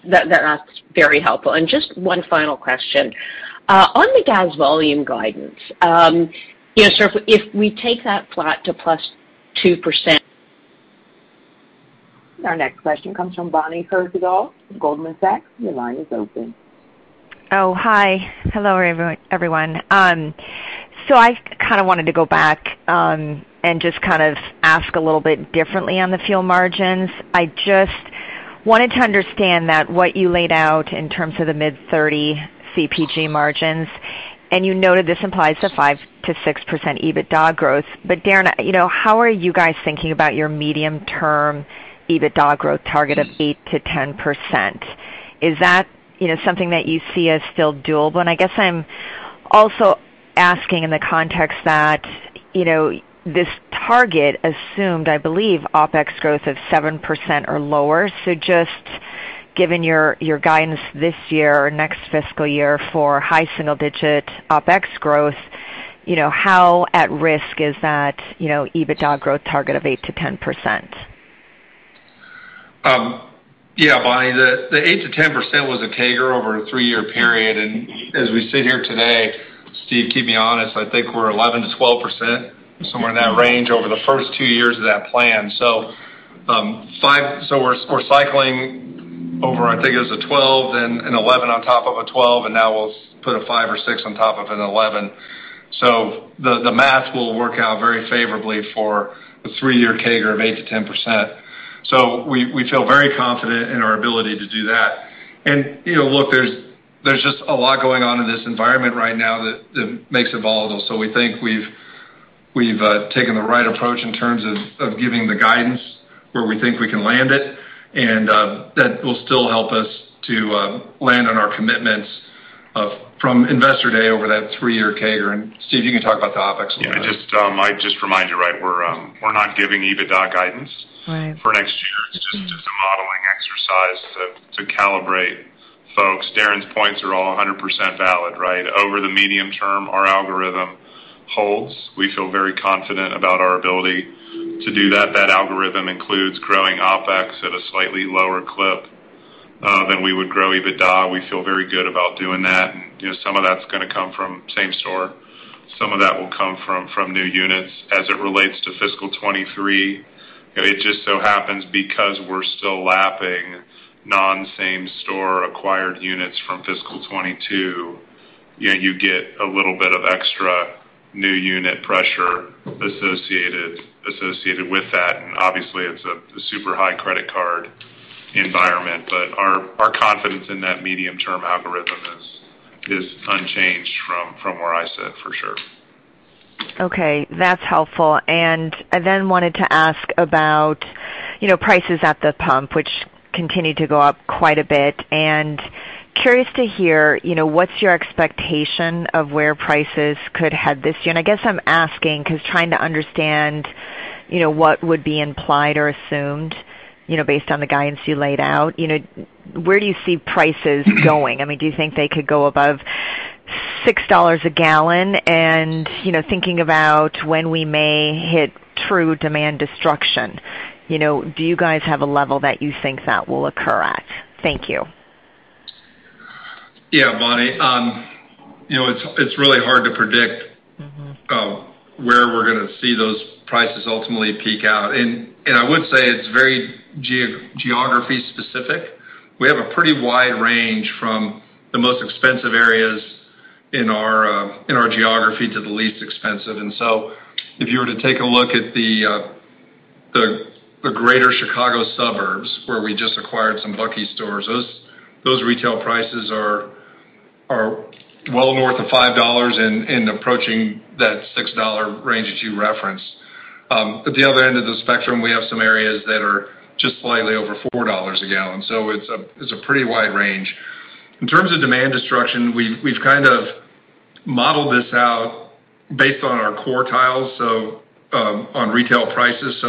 That's very helpful. Just one final question. On the gas volume guidance, you know, sort of if we take that flat to +2%. Our next question comes from Bonnie Herzog of Goldman Sachs. Your line is open. Oh, hi. Hello, everyone. I kinda wanted to go back and just kind of ask a little bit differently on the fuel margins. I just wanted to understand that what you laid out in terms of the mid-30 CPG margins, and you noted this implies 5%-6% EBITDA growth. Darren, you know, how are you guys thinking about your medium-term EBITDA growth target of 8%-10%? Is that, you know, something that you see as still doable? I guess I'm also asking in the context that, you know, this target assumed, I believe, OpEx growth of 7% or lower. Just given your guidance this year or next fiscal year for high single-digit OpEx growth, you know, how at risk is that, you know, EBITDA growth target of 8%-10%? Yeah, Bonnie, the 8%-10% was a CAGR over a three-year period. As we sit here today, Steve, keep me honest, I think we're 11%-12%, somewhere in that range over the first two years of that plan. We're cycling over, I think it was a 12%, then an 11% on top of a 12%, and now we'll put a 5% or 6% on top of an 11%. The math will work out very favorably for the three-year CAGR of 8%-10%. We feel very confident in our ability to do that. You know, look, there's just a lot going on in this environment right now that makes it volatile. We think we've taken the right approach in terms of giving the guidance where we think we can land it, and that will still help us to land on our commitments from investor day over that three-year CAGR. Steve, you can talk about the OpEx a little bit. Yeah, just, I'd just remind you, right, we're not giving EBITDA guidance. Right. For next year. It's just a modeling exercise to calibrate folks. Darren's points are all 100% valid, right? Over the medium term, our algorithm holds. We feel very confident about our ability to do that. That algorithm includes growing OpEx at a slightly lower clip than we would grow EBITDA. We feel very good about doing that. You know, some of that's gonna come from same store. Some of that will come from new units. As it relates to fiscal 2023, it just so happens because we're still lapping non-same store acquired units from fiscal 2022, you know, you get a little bit of extra new unit pressure associated with that. Obviously it's the super high credit card environment. Our confidence in that medium-term algorithm is unchanged from where I sit for sure. Okay. That's helpful. I then wanted to ask about, you know, prices at the pump, which continue to go up quite a bit. I'm curious to hear, you know, what's your expectation of where prices could head this year? I guess I'm asking 'cause trying to understand, you know, what would be implied or assumed, you know, based on the guidance you laid out. You know, where do you see prices going? I mean, do you think they could go above $6 a gallon? You know, thinking about when we may hit true demand destruction, you know, do you guys have a level that you think that will occur at? Thank you. Yeah, Bonnie. You know, it's really hard to predict- Mm-hmm. -where we're gonna see those prices ultimately peak out. I would say it's very geography specific. We have a pretty wide range from the most expensive areas in our geography to the least expensive. If you were to take a look at the Greater Chicago suburbs where we just acquired some Bucky's stores, those retail prices are well north of $5 and approaching that $6 range that you referenced. At the other end of the spectrum, we have some areas that are just slightly over $4 a gallon. It's a pretty wide range. In terms of demand destruction, we've kind of modeled this out based on our quartiles on retail prices.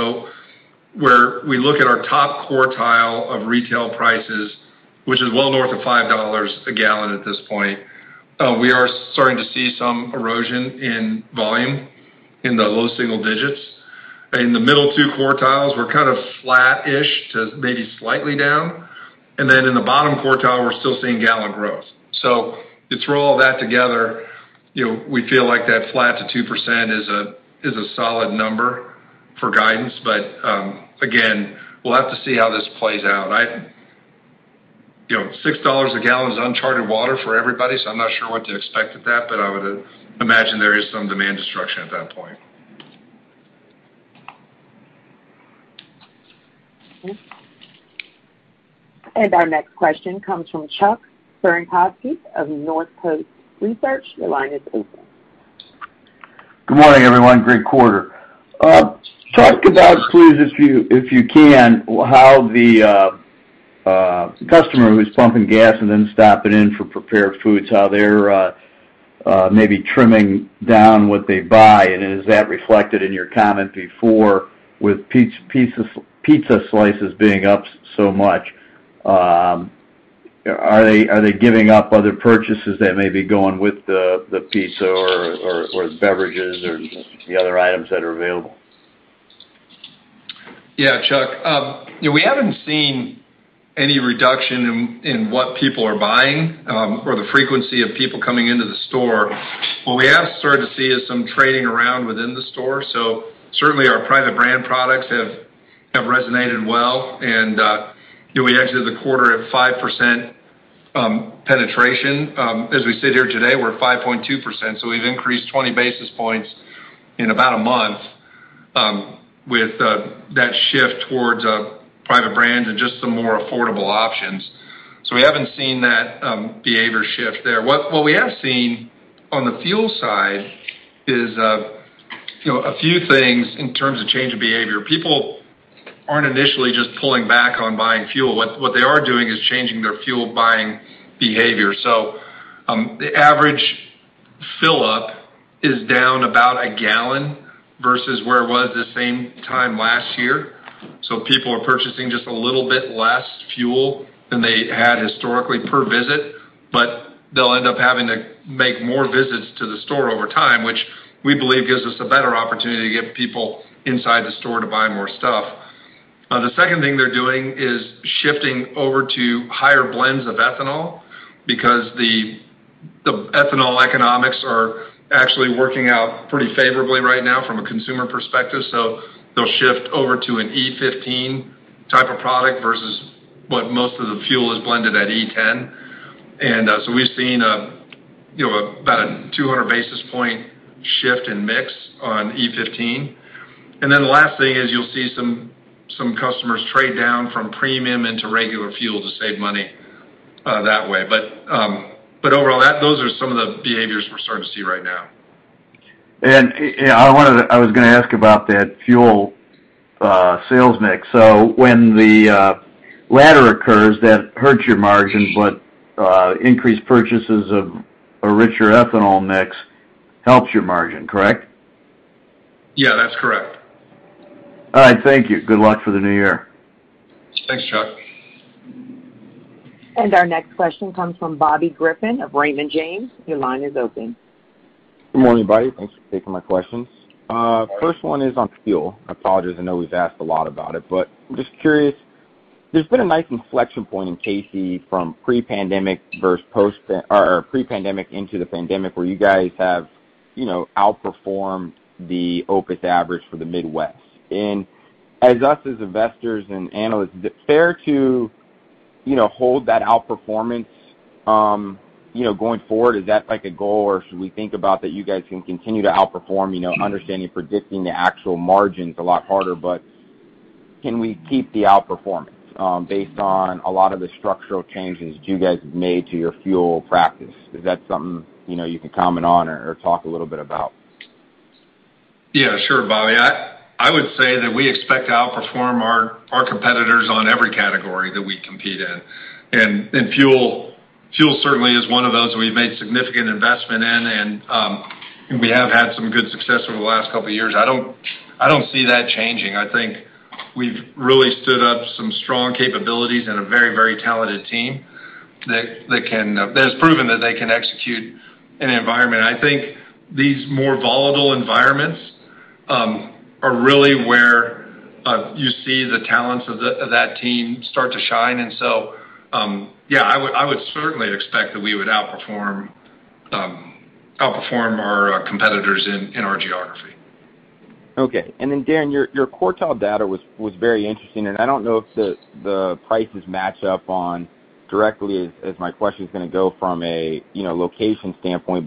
Where we look at our top quartile of retail prices, which is well north of $5 a gallon at this point, we are starting to see some erosion in volume in the low single digits. In the middle two quartiles, we're kind of flat-ish to maybe slightly down. And then in the bottom quartile, we're still seeing gallon growth. To throw all that together, you know, we feel like that flat to 2% is a solid number for guidance. But again, we'll have to see how this plays out. You know, $6 a gallon is uncharted water for everybody, so I'm not sure what to expect with that, but I would imagine there is some demand destruction at that point. Our next question comes from Chuck Cerankosky of Northcoast Research. Your line is open. Good morning, everyone. Great quarter. Talk about, please, if you can, how the customer who's pumping gas and then stopping in for prepared foods, how they're maybe trimming down what they buy, and is that reflected in your comment before with pizza slices being up so much? Are they giving up other purchases that may be going with the pizza or beverages or the other items that are available? Yeah, Chuck. You know, we haven't seen any reduction in what people are buying or the frequency of people coming into the store. What we have started to see is some trading around within the store. Certainly our private brand products have resonated well. You know, we entered the quarter at 5% penetration. As we sit here today, we're at 5.2%, so we've increased 20 basis points in about a month with that shift towards private brands and just some more affordable options. We haven't seen that behavior shift there. What we have seen on the fuel side is you know, a few things in terms of change of behavior. People aren't initially just pulling back on buying fuel. What they are doing is changing their fuel buying behavior. The average fill-up is down about a gallon versus where it was this same time last year. People are purchasing just a little bit less fuel than they had historically per visit, but they'll end up having to make more visits to the store over time, which we believe gives us a better opportunity to get people inside the store to buy more stuff. The second thing they're doing is shifting over to higher blends of ethanol because the ethanol economics are actually working out pretty favorably right now from a consumer perspective. They'll shift over to an E15 type of product versus what most of the fuel is blended at E10. We've seen, you know, about a 200 basis points shift in mix on E15. The last thing is you'll see some customers trade down from premium into regular fuel to save money, that way. Overall, those are some of the behaviors we're starting to see right now. I was gonna ask about that fuel sales mix. When the latter occurs, that hurts your margin, but increased purchases of a richer ethanol mix helps your margin, correct? Yeah, that's correct. All right, thank you. Good luck for the new year. Thanks, Chuck. Our next question comes from Bobby Griffin of Raymond James. Your line is open. Good morning. Bobby. Thanks for taking my questions. First one is on fuel. I apologize. I know we've asked a lot about it, but I'm just curious. There's been a nice inflection point in Casey's from pre-pandemic versus post-pandemic or pre-pandemic into the pandemic, where you guys have, you know, outperformed the OPIS average for the Midwest. For us, as investors and analysts, is it fair to, you know, hold that outperformance, you know, going forward? Is that like a goal? Or should we think about that you guys can continue to outperform, you know, understanding, predicting the actual margins a lot harder, but can we keep the outperformance, based on a lot of the structural changes you guys have made to your fuel practice? Is that something, you know, you can comment on or talk a little bit about? Yeah, sure, Bobby. I would say that we expect to outperform our competitors on every category that we compete in. Fuel certainly is one of those we've made significant investment in, and we have had some good success over the last couple of years. I don't see that changing. I think we've really stood up some strong capabilities and a very talented team that has proven that they can execute in an environment. I think these more volatile environments are really where you see the talents of that team start to shine. Yeah, I would certainly expect that we would outperform our competitors in our geography. Okay. Darren, your quartile data was very interesting, and I don't know if the prices match up directly as my question is gonna go from a you know location standpoint.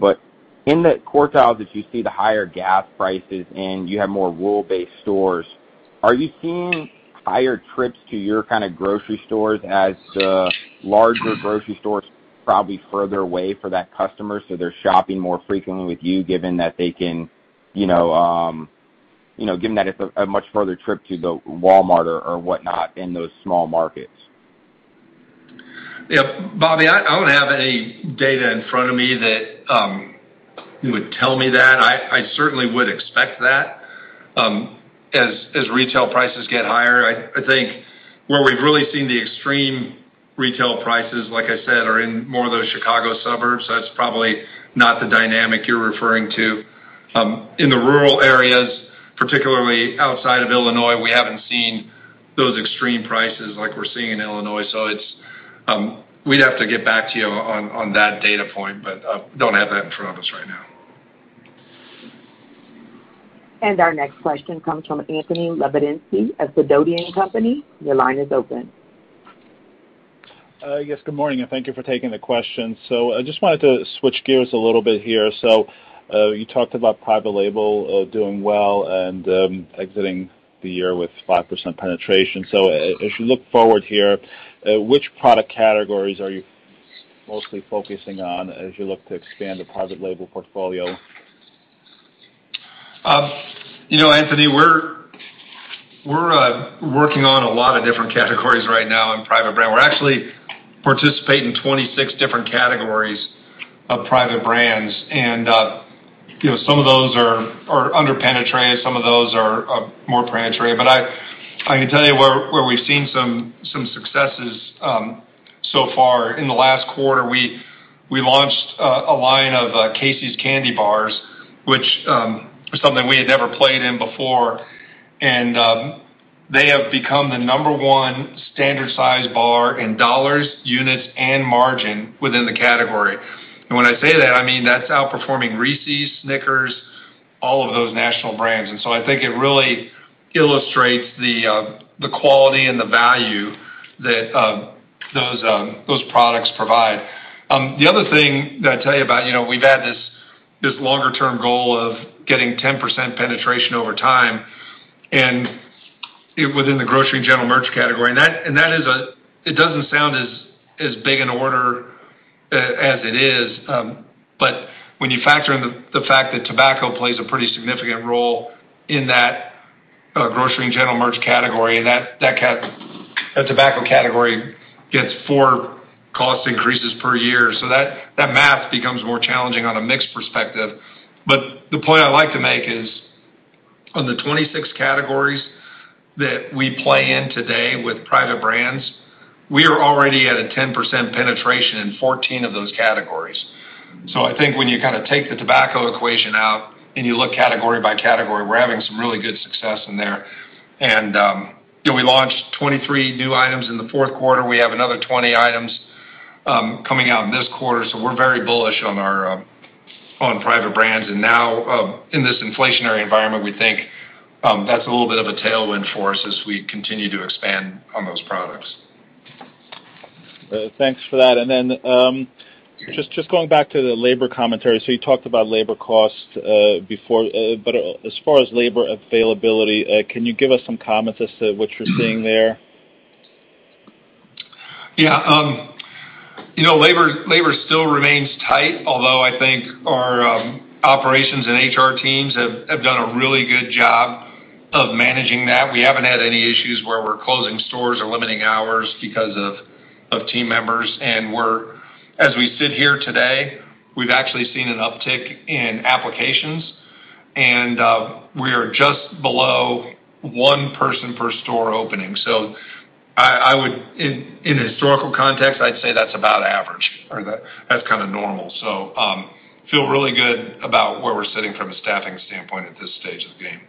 In the quartiles that you see the higher gas prices and you have more rural-based stores, are you seeing higher trips to your kind of grocery stores as the larger grocery stores probably further away for that customer, so they're shopping more frequently with you given that they can you know you know given that it's a much further trip to the Walmart or whatnot in those small markets? Yeah, Bobby, I don't have any data in front of me that would tell me that. I certainly would expect that as retail prices get higher. I think where we've really seen the extreme retail prices, like I said, are in more of those Chicago suburbs. That's probably not the dynamic you're referring to. In the rural areas, particularly outside of Illinois, we haven't seen those extreme prices like we're seeing in Illinois. We'd have to get back to you on that data point, but don't have that in front of us right now. Our next question comes from Anthony Lebiedzinski of Sidoti & Company. Your line is open. Yes, good morning, and thank you for taking the question. I just wanted to switch gears a little bit here. You talked about private label doing well and exiting the year with 5% penetration. As you look forward here, which product categories are you mostly focusing on as you look to expand the private label portfolio? You know, Anthony, we're working on a lot of different categories right now in private brand. We actually participate in 26 different categories of private brands, and you know, some of those are under-penetrated, some of those are more penetrated. I can tell you where we've seen some successes so far. In the last quarter, we launched a line of Casey's candy bars, which something we had never played in before. They have become the number one standard size bar in dollars, units, and margin within the category. When I say that, I mean that's outperforming Reese's, Snickers, all of those national brands. I think it really illustrates the quality and the value that those products provide. The other thing that I tell you about, you know, we've had this longer-term goal of getting 10% penetration over time and within the grocery and general merch category. That is. It doesn't sound as big an order as it is, but when you factor in the fact that tobacco plays a pretty significant role in that grocery and general merch category, and that tobacco category gets 4 cost increases per year. That math becomes more challenging on a mix perspective. The point I like to make is on the 26 categories that we play in today with private brands, we are already at a 10% penetration in 14 of those categories. I think when you kind of take the tobacco equation out and you look category by category, we're having some really good success in there. We launched 23 new items in the fourth quarter. We have another 20 items coming out in this quarter, so we're very bullish on our private brands. Now, in this inflationary environment, we think that's a little bit of a tailwind for us as we continue to expand on those products. Thanks for that. Just going back to the labor commentary. You talked about labor costs before, but as far as labor availability, can you give us some comments as to what you're seeing there? Yeah. You know, labor still remains tight, although I think our operations and HR teams have done a really good job of managing that. We haven't had any issues where we're closing stores or limiting hours because of team members. As we sit here today, we've actually seen an uptick in applications, and we are just below one person per store opening. I would, in a historical context, I'd say that's about average or that's kind of normal. Feel really good about where we're sitting from a staffing standpoint at this stage of the game.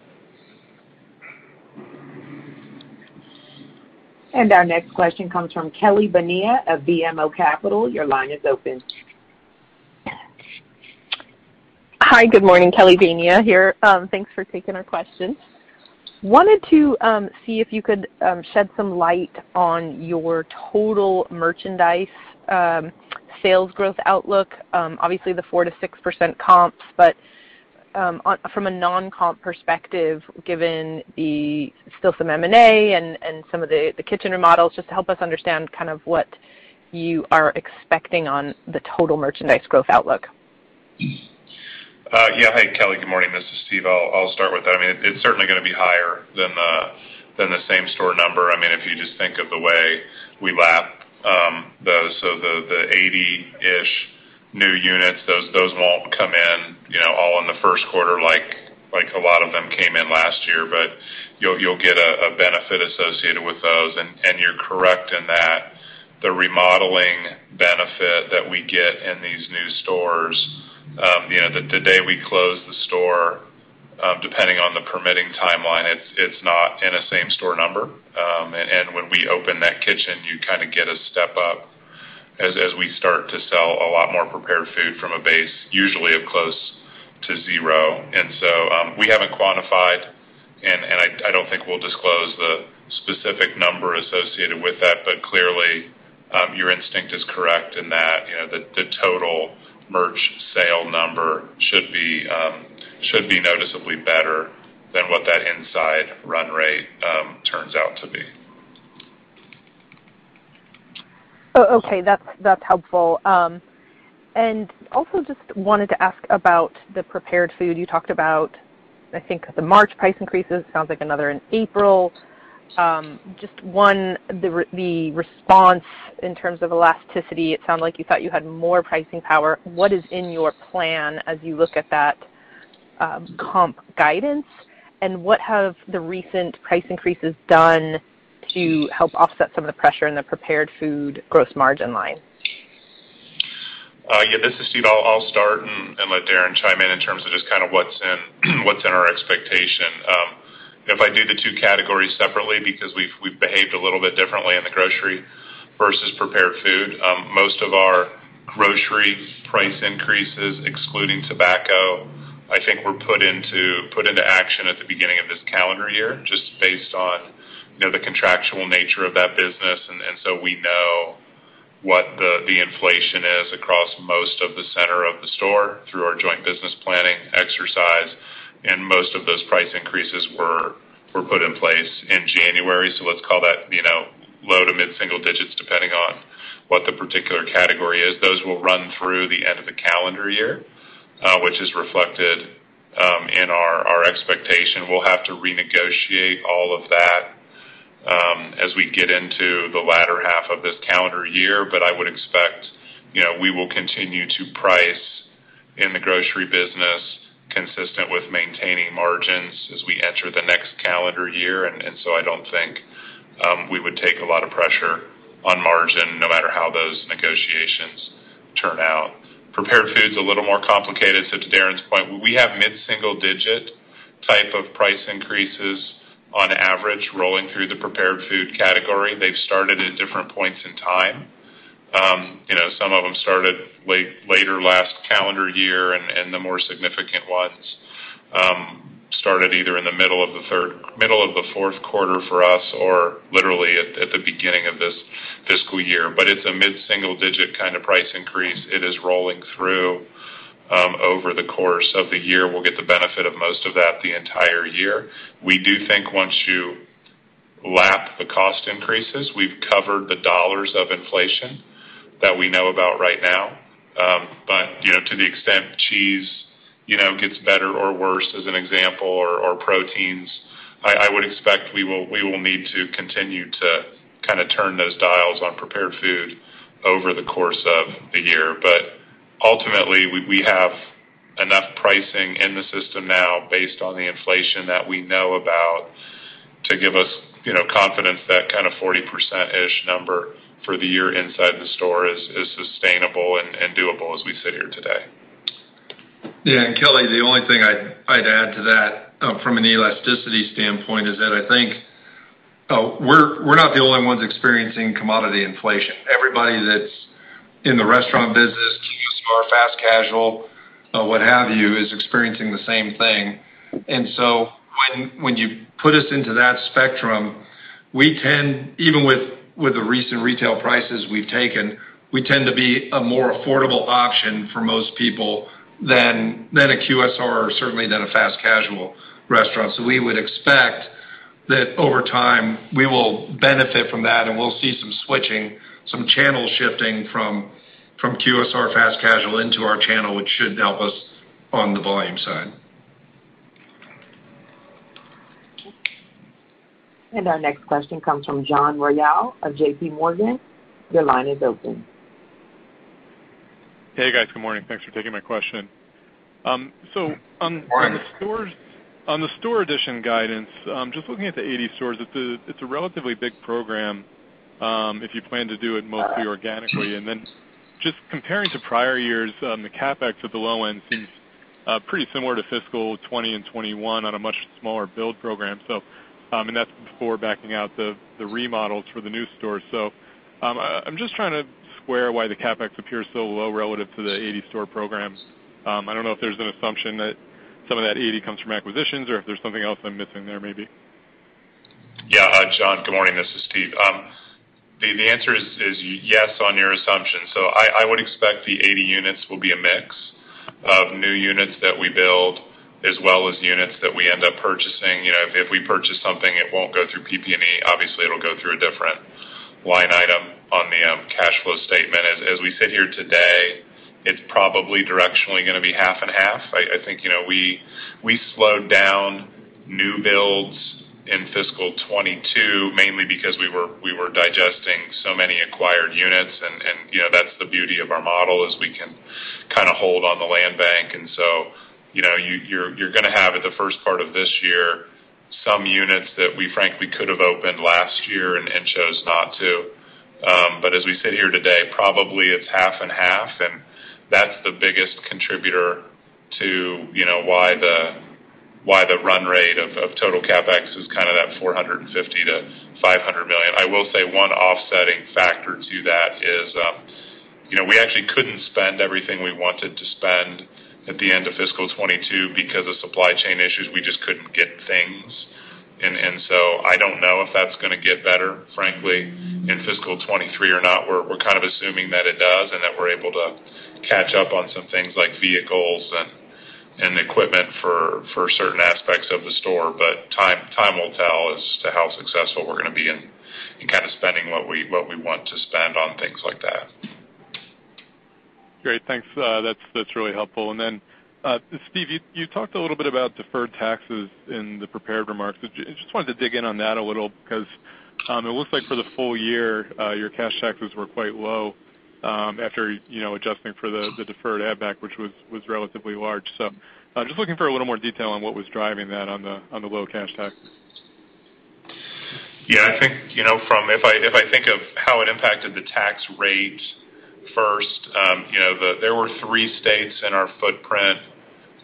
Our next question comes from Kelly Bania of BMO Capital. Your line is open. Hi, good morning. Kelly Bania here. Thanks for taking our question. Wanted to see if you could shed some light on your total merchandise sales growth outlook. Obviously the 4%-6% comps, but from a non-comp perspective, given there's still some M&A and some of the kitchen remodels, just to help us understand kind of what you are expecting on the total merchandise growth outlook. Yeah, hi, Kelly. Good morning. This is Steve. I'll start with that. I mean, it's certainly going to be higher than the same store number. I mean, if you just think of the way we lap those. The 80-ish new units, those won't come in, you know, all in the first quarter like a lot of them came in last year. You'll get a benefit associated with those. You're correct in that the remodeling benefit that we get in these new stores, you know, the day we close the store, depending on the permitting timeline, it's not in a same store number. When we open that kitchen, you kind of get a step up as we start to sell a lot more prepared food from a base, usually of close to zero. We haven't quantified, and I don't think we'll disclose the specific number associated with that. Clearly, your instinct is correct in that, you know, the total merch sale number should be noticeably better than what that inside run rate turns out to be. Oh, okay. That's helpful. And also just wanted to ask about the prepared food. You talked about, I think, the March price increases. Sounds like another in April. The response in terms of elasticity, it sounded like you thought you had more pricing power. What is in your plan as you look at that comp guidance, and what have the recent price increases done to help offset some of the pressure in the prepared food gross margin line? Yeah, this is Steve. I'll start and let Darren chime in terms of just kind of what's in our expectation. If I do the two categories separately, because we've behaved a little bit differently in the grocery versus prepared food. Most of our grocery price increases, excluding tobacco, I think were put into action at the beginning of this calendar year, just based on, you know, the contractual nature of that business. We know what the inflation is across most of the center of the store through our joint business planning exercise. Most of those price increases were put in place in January. Let's call that, you know, low- to mid-single digits, depending on what the particular category is. Those will run through the end of the calendar year, which is reflected in our expectation. We'll have to renegotiate all of that, as we get into the latter half of this calendar year. I would expect, you know, we will continue to price in the grocery business consistent with maintaining margins as we enter the next calendar year. I don't think we would take a lot of pressure on margin no matter how those negotiations turn out. Prepared food's a little more complicated. To Darren's point, we have mid-single digit type of price increases on average rolling through the prepared food category. They've started at different points in time. You know, some of them started later last calendar year, and the more significant ones started either in the middle of the fourth quarter for us or literally at the beginning of this fiscal year. It's a mid-single digit kind of price increase. It is rolling through over the course of the year. We'll get the benefit of most of that the entire year. We do think once you lap the cost increases, we've covered the dollars of inflation that we know about right now. You know, to the extent cheese gets better or worse as an example, or proteins, I would expect we will need to continue to kind of turn those dials on prepared food over the course of the year. Ultimately, we have enough pricing in the system now based on the inflation that we know about to give us, you know, confidence that kind of 40%-ish number for the year inside the store is sustainable and doable as we sit here today. Yeah. Kelly, the only thing I'd add to that from an elasticity standpoint is that I think we're not the only ones experiencing commodity inflation. Everybody that's in the restaurant business, QSR, fast casual, what have you, is experiencing the same thing. When you put us into that spectrum, we tend, even with the recent retail prices we've taken, to be a more affordable option for most people than a QSR or certainly than a fast casual restaurant. We would expect that over time, we will benefit from that, and we'll see some switching, some channel shifting from QSR, fast casual into our channel, which should help us on the volume side. Our next question comes from John Royall of JPMorgan. Your line is open. Hey, guys. Good morning. Thanks for taking my question. on- Good morning. On the store addition guidance, just looking at the 80 stores, it's a relatively big program, if you plan to do it mostly organically. Just comparing to prior years, the CapEx at the low end seems pretty similar to fiscal 2020 and 2021 on a much smaller build program. That's before backing out the remodels for the new stores. I'm just trying to square why the CapEx appears so low relative to the 80 store program. I don't know if there's an assumption that some of that 80 comes from acquisitions or if there's something else I'm missing there maybe. Yeah. John, good morning. This is Steve. The answer is yes on your assumption. I would expect the 80 units will be a mix of new units that we build as well as units that we end up purchasing. You know, if we purchase something, it won't go through PP&E. Obviously, it'll go through a different line item on the cash flow statement. As we sit here today, it's probably directionally gonna be half and half. I think, you know, we slowed down new builds in fiscal 2022, mainly because we were digesting so many acquired units. You know, that's the beauty of our model, is we can kinda hold on the land bank. You know, you're gonna have at the first part of this year some units that we frankly could have opened last year and chose not to. As we sit here today, probably it's half and half, and that's the biggest contributor to, you know, why the run rate of total CapEx is kinda that $450-$500 million. I will say one offsetting factor to that is, you know, we actually couldn't spend everything we wanted to spend at the end of fiscal 2022 because of supply chain issues. We just couldn't get things. I don't know if that's gonna get better, frankly, in fiscal 2023 or not. We're kind of assuming that it does and that we're able to catch up on some things like vehicles and equipment for certain aspects of the store. Time will tell as to how successful we're gonna be in kinda spending what we want to spend on things like that. Great. Thanks. That's really helpful. Steve, you talked a little bit about deferred taxes in the prepared remarks. Just wanted to dig in on that a little because it looks like for the full year, your cash taxes were quite low after, you know, adjusting for the deferred add back, which was relatively large. Just looking for a little more detail on what was driving that on the low cash taxes. Yeah. I think, you know, if I think of how it impacted the tax rate first, there were three states in our footprint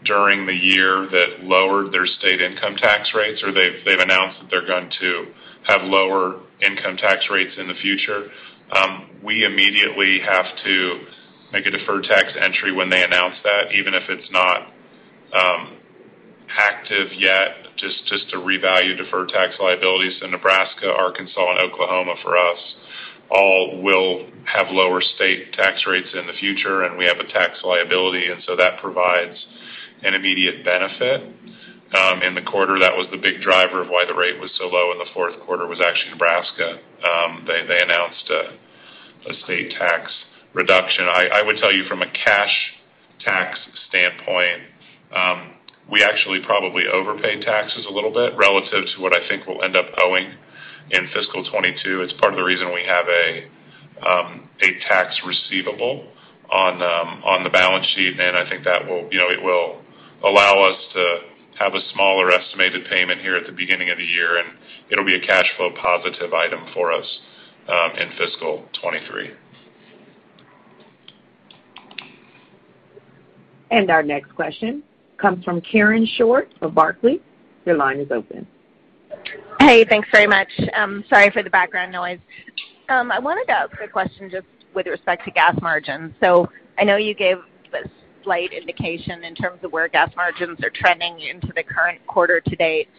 during the year that lowered their state income tax rates, or they've announced that they're going to have lower income tax rates in the future. We immediately have to make a deferred tax entry when they announce that, even if it's not active yet, just to revalue deferred tax liabilities. Nebraska, Arkansas, and Oklahoma for us all will have lower state tax rates in the future, and we have a tax liability, and so that provides an immediate benefit. In the quarter, that was the big driver of why the rate was so low in the fourth quarter, was actually Nebraska. They announced a state tax reduction. I would tell you from a cash tax standpoint, we actually probably overpay taxes a little bit relative to what I think we'll end up owing in fiscal 2022. It's part of the reason we have a tax receivable on the balance sheet, and I think that will, you know, allow us to have a smaller estimated payment here at the beginning of the year, and it'll be a cash flow positive item for us in fiscal 2023. Our next question comes from Karen Short from Barclays. Your line is open. Hey. Thanks very much. Sorry for the background noise. I wanted to ask a question just with respect to gas margins. I know you gave a slight indication in terms of where gas margins are trending into the current quarter to date,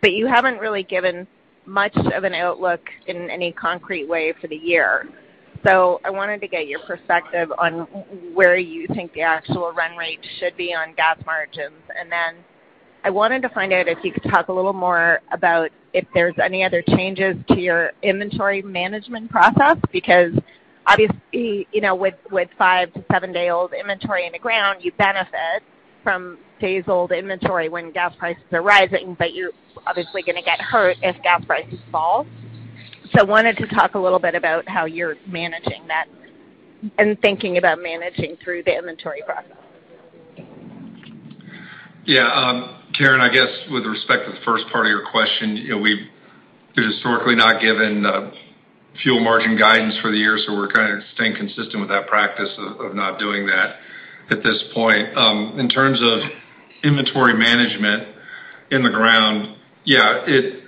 but you haven't really given much of an outlook in any concrete way for the year. I wanted to get your perspective on where you think the actual run rate should be on gas margins. Then I wanted to find out if you could talk a little more about if there's any other changes to your inventory management process. Because obviously, you know, with 5-7-day-old inventory in the ground, you benefit from days-old inventory when gas prices are rising, but you're obviously gonna get hurt if gas prices fall. Wanted to talk a little bit about how you're managing that and thinking about managing through the inventory process. Yeah, Karen, I guess with respect to the first part of your question, you know, we've historically not given fuel margin guidance for the year, so we're kinda staying consistent with that practice of not doing that at this point. In terms of inventory management in the ground, yeah, it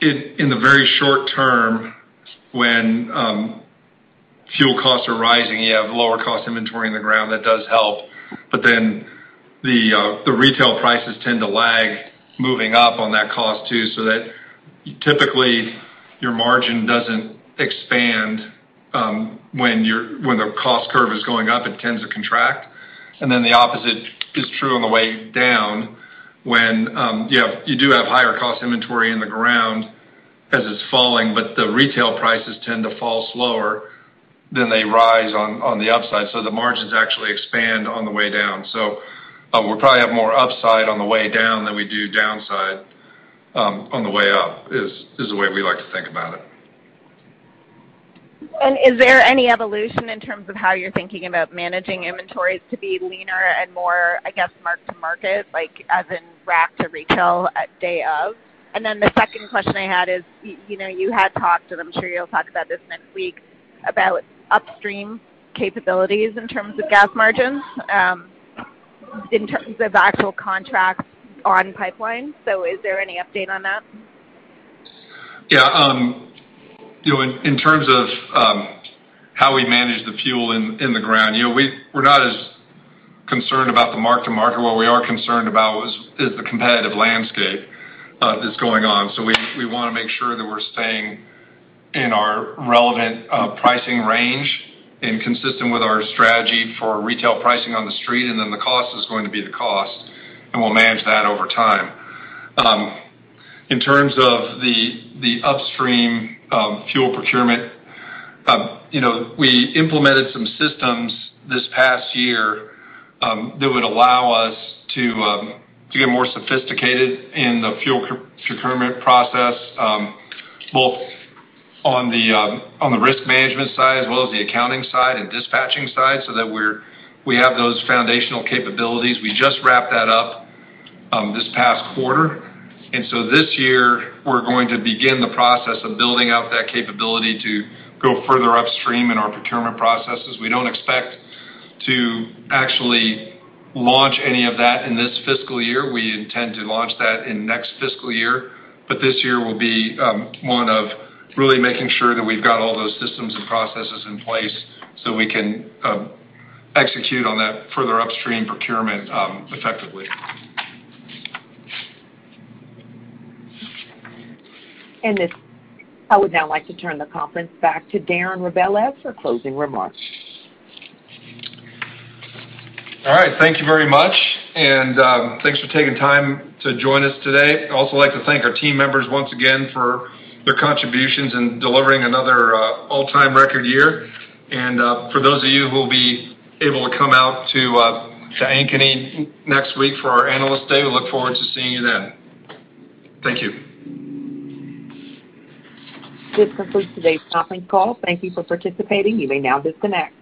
in the very short term when fuel costs are rising, you have lower cost inventory in the ground, that does help. But then the retail prices tend to lag moving up on that cost, too, so that typically your margin doesn't expand when the cost curve is going up, it tends to contract. The opposite is true on the way down when you do have higher cost inventory in the ground as it's falling, but the retail prices tend to fall slower than they rise on the upside. The margins actually expand on the way down. We'll probably have more upside on the way down than we do downside on the way up is the way we like to think about it. Is there any evolution in terms of how you're thinking about managing inventories to be leaner and more, I guess, mark to market, like as in rack to retail at day of? The second question I had is, you know, you had talked, and I'm sure you'll talk about this next week, about upstream capabilities in terms of gas margins, in terms of actual contracts on pipelines. Is there any update on that? Yeah. You know, in terms of how we manage the fuel in the ground, you know, we're not as concerned about the mark to market. What we are concerned about is the competitive landscape that's going on. We wanna make sure that we're staying in our relevant pricing range and consistent with our strategy for retail pricing on the street, and then the cost is going to be the cost, and we'll manage that over time. In terms of the upstream fuel procurement, you know, we implemented some systems this past year that would allow us to get more sophisticated in the fuel procurement process, both on the risk management side as well as the accounting side and dispatching side, so that we have those foundational capabilities. We just wrapped that up, this past quarter. This year, we're going to begin the process of building out that capability to go further upstream in our procurement processes. We don't expect to actually launch any of that in this fiscal year. We intend to launch that in next fiscal year. This year will be one of really making sure that we've got all those systems and processes in place, so we can execute on that further upstream procurement effectively. I would now like to turn the conference back to Darren Rebelez for closing remarks. All right. Thank you very much, and thanks for taking time to join us today. I'd also like to thank our team members once again for their contributions in delivering another all-time record year. For those of you who will be able to come out to Ankeny next week for our Analyst Day, we look forward to seeing you then. Thank you. This concludes today's conference call. Thank you for participating. You may now disconnect.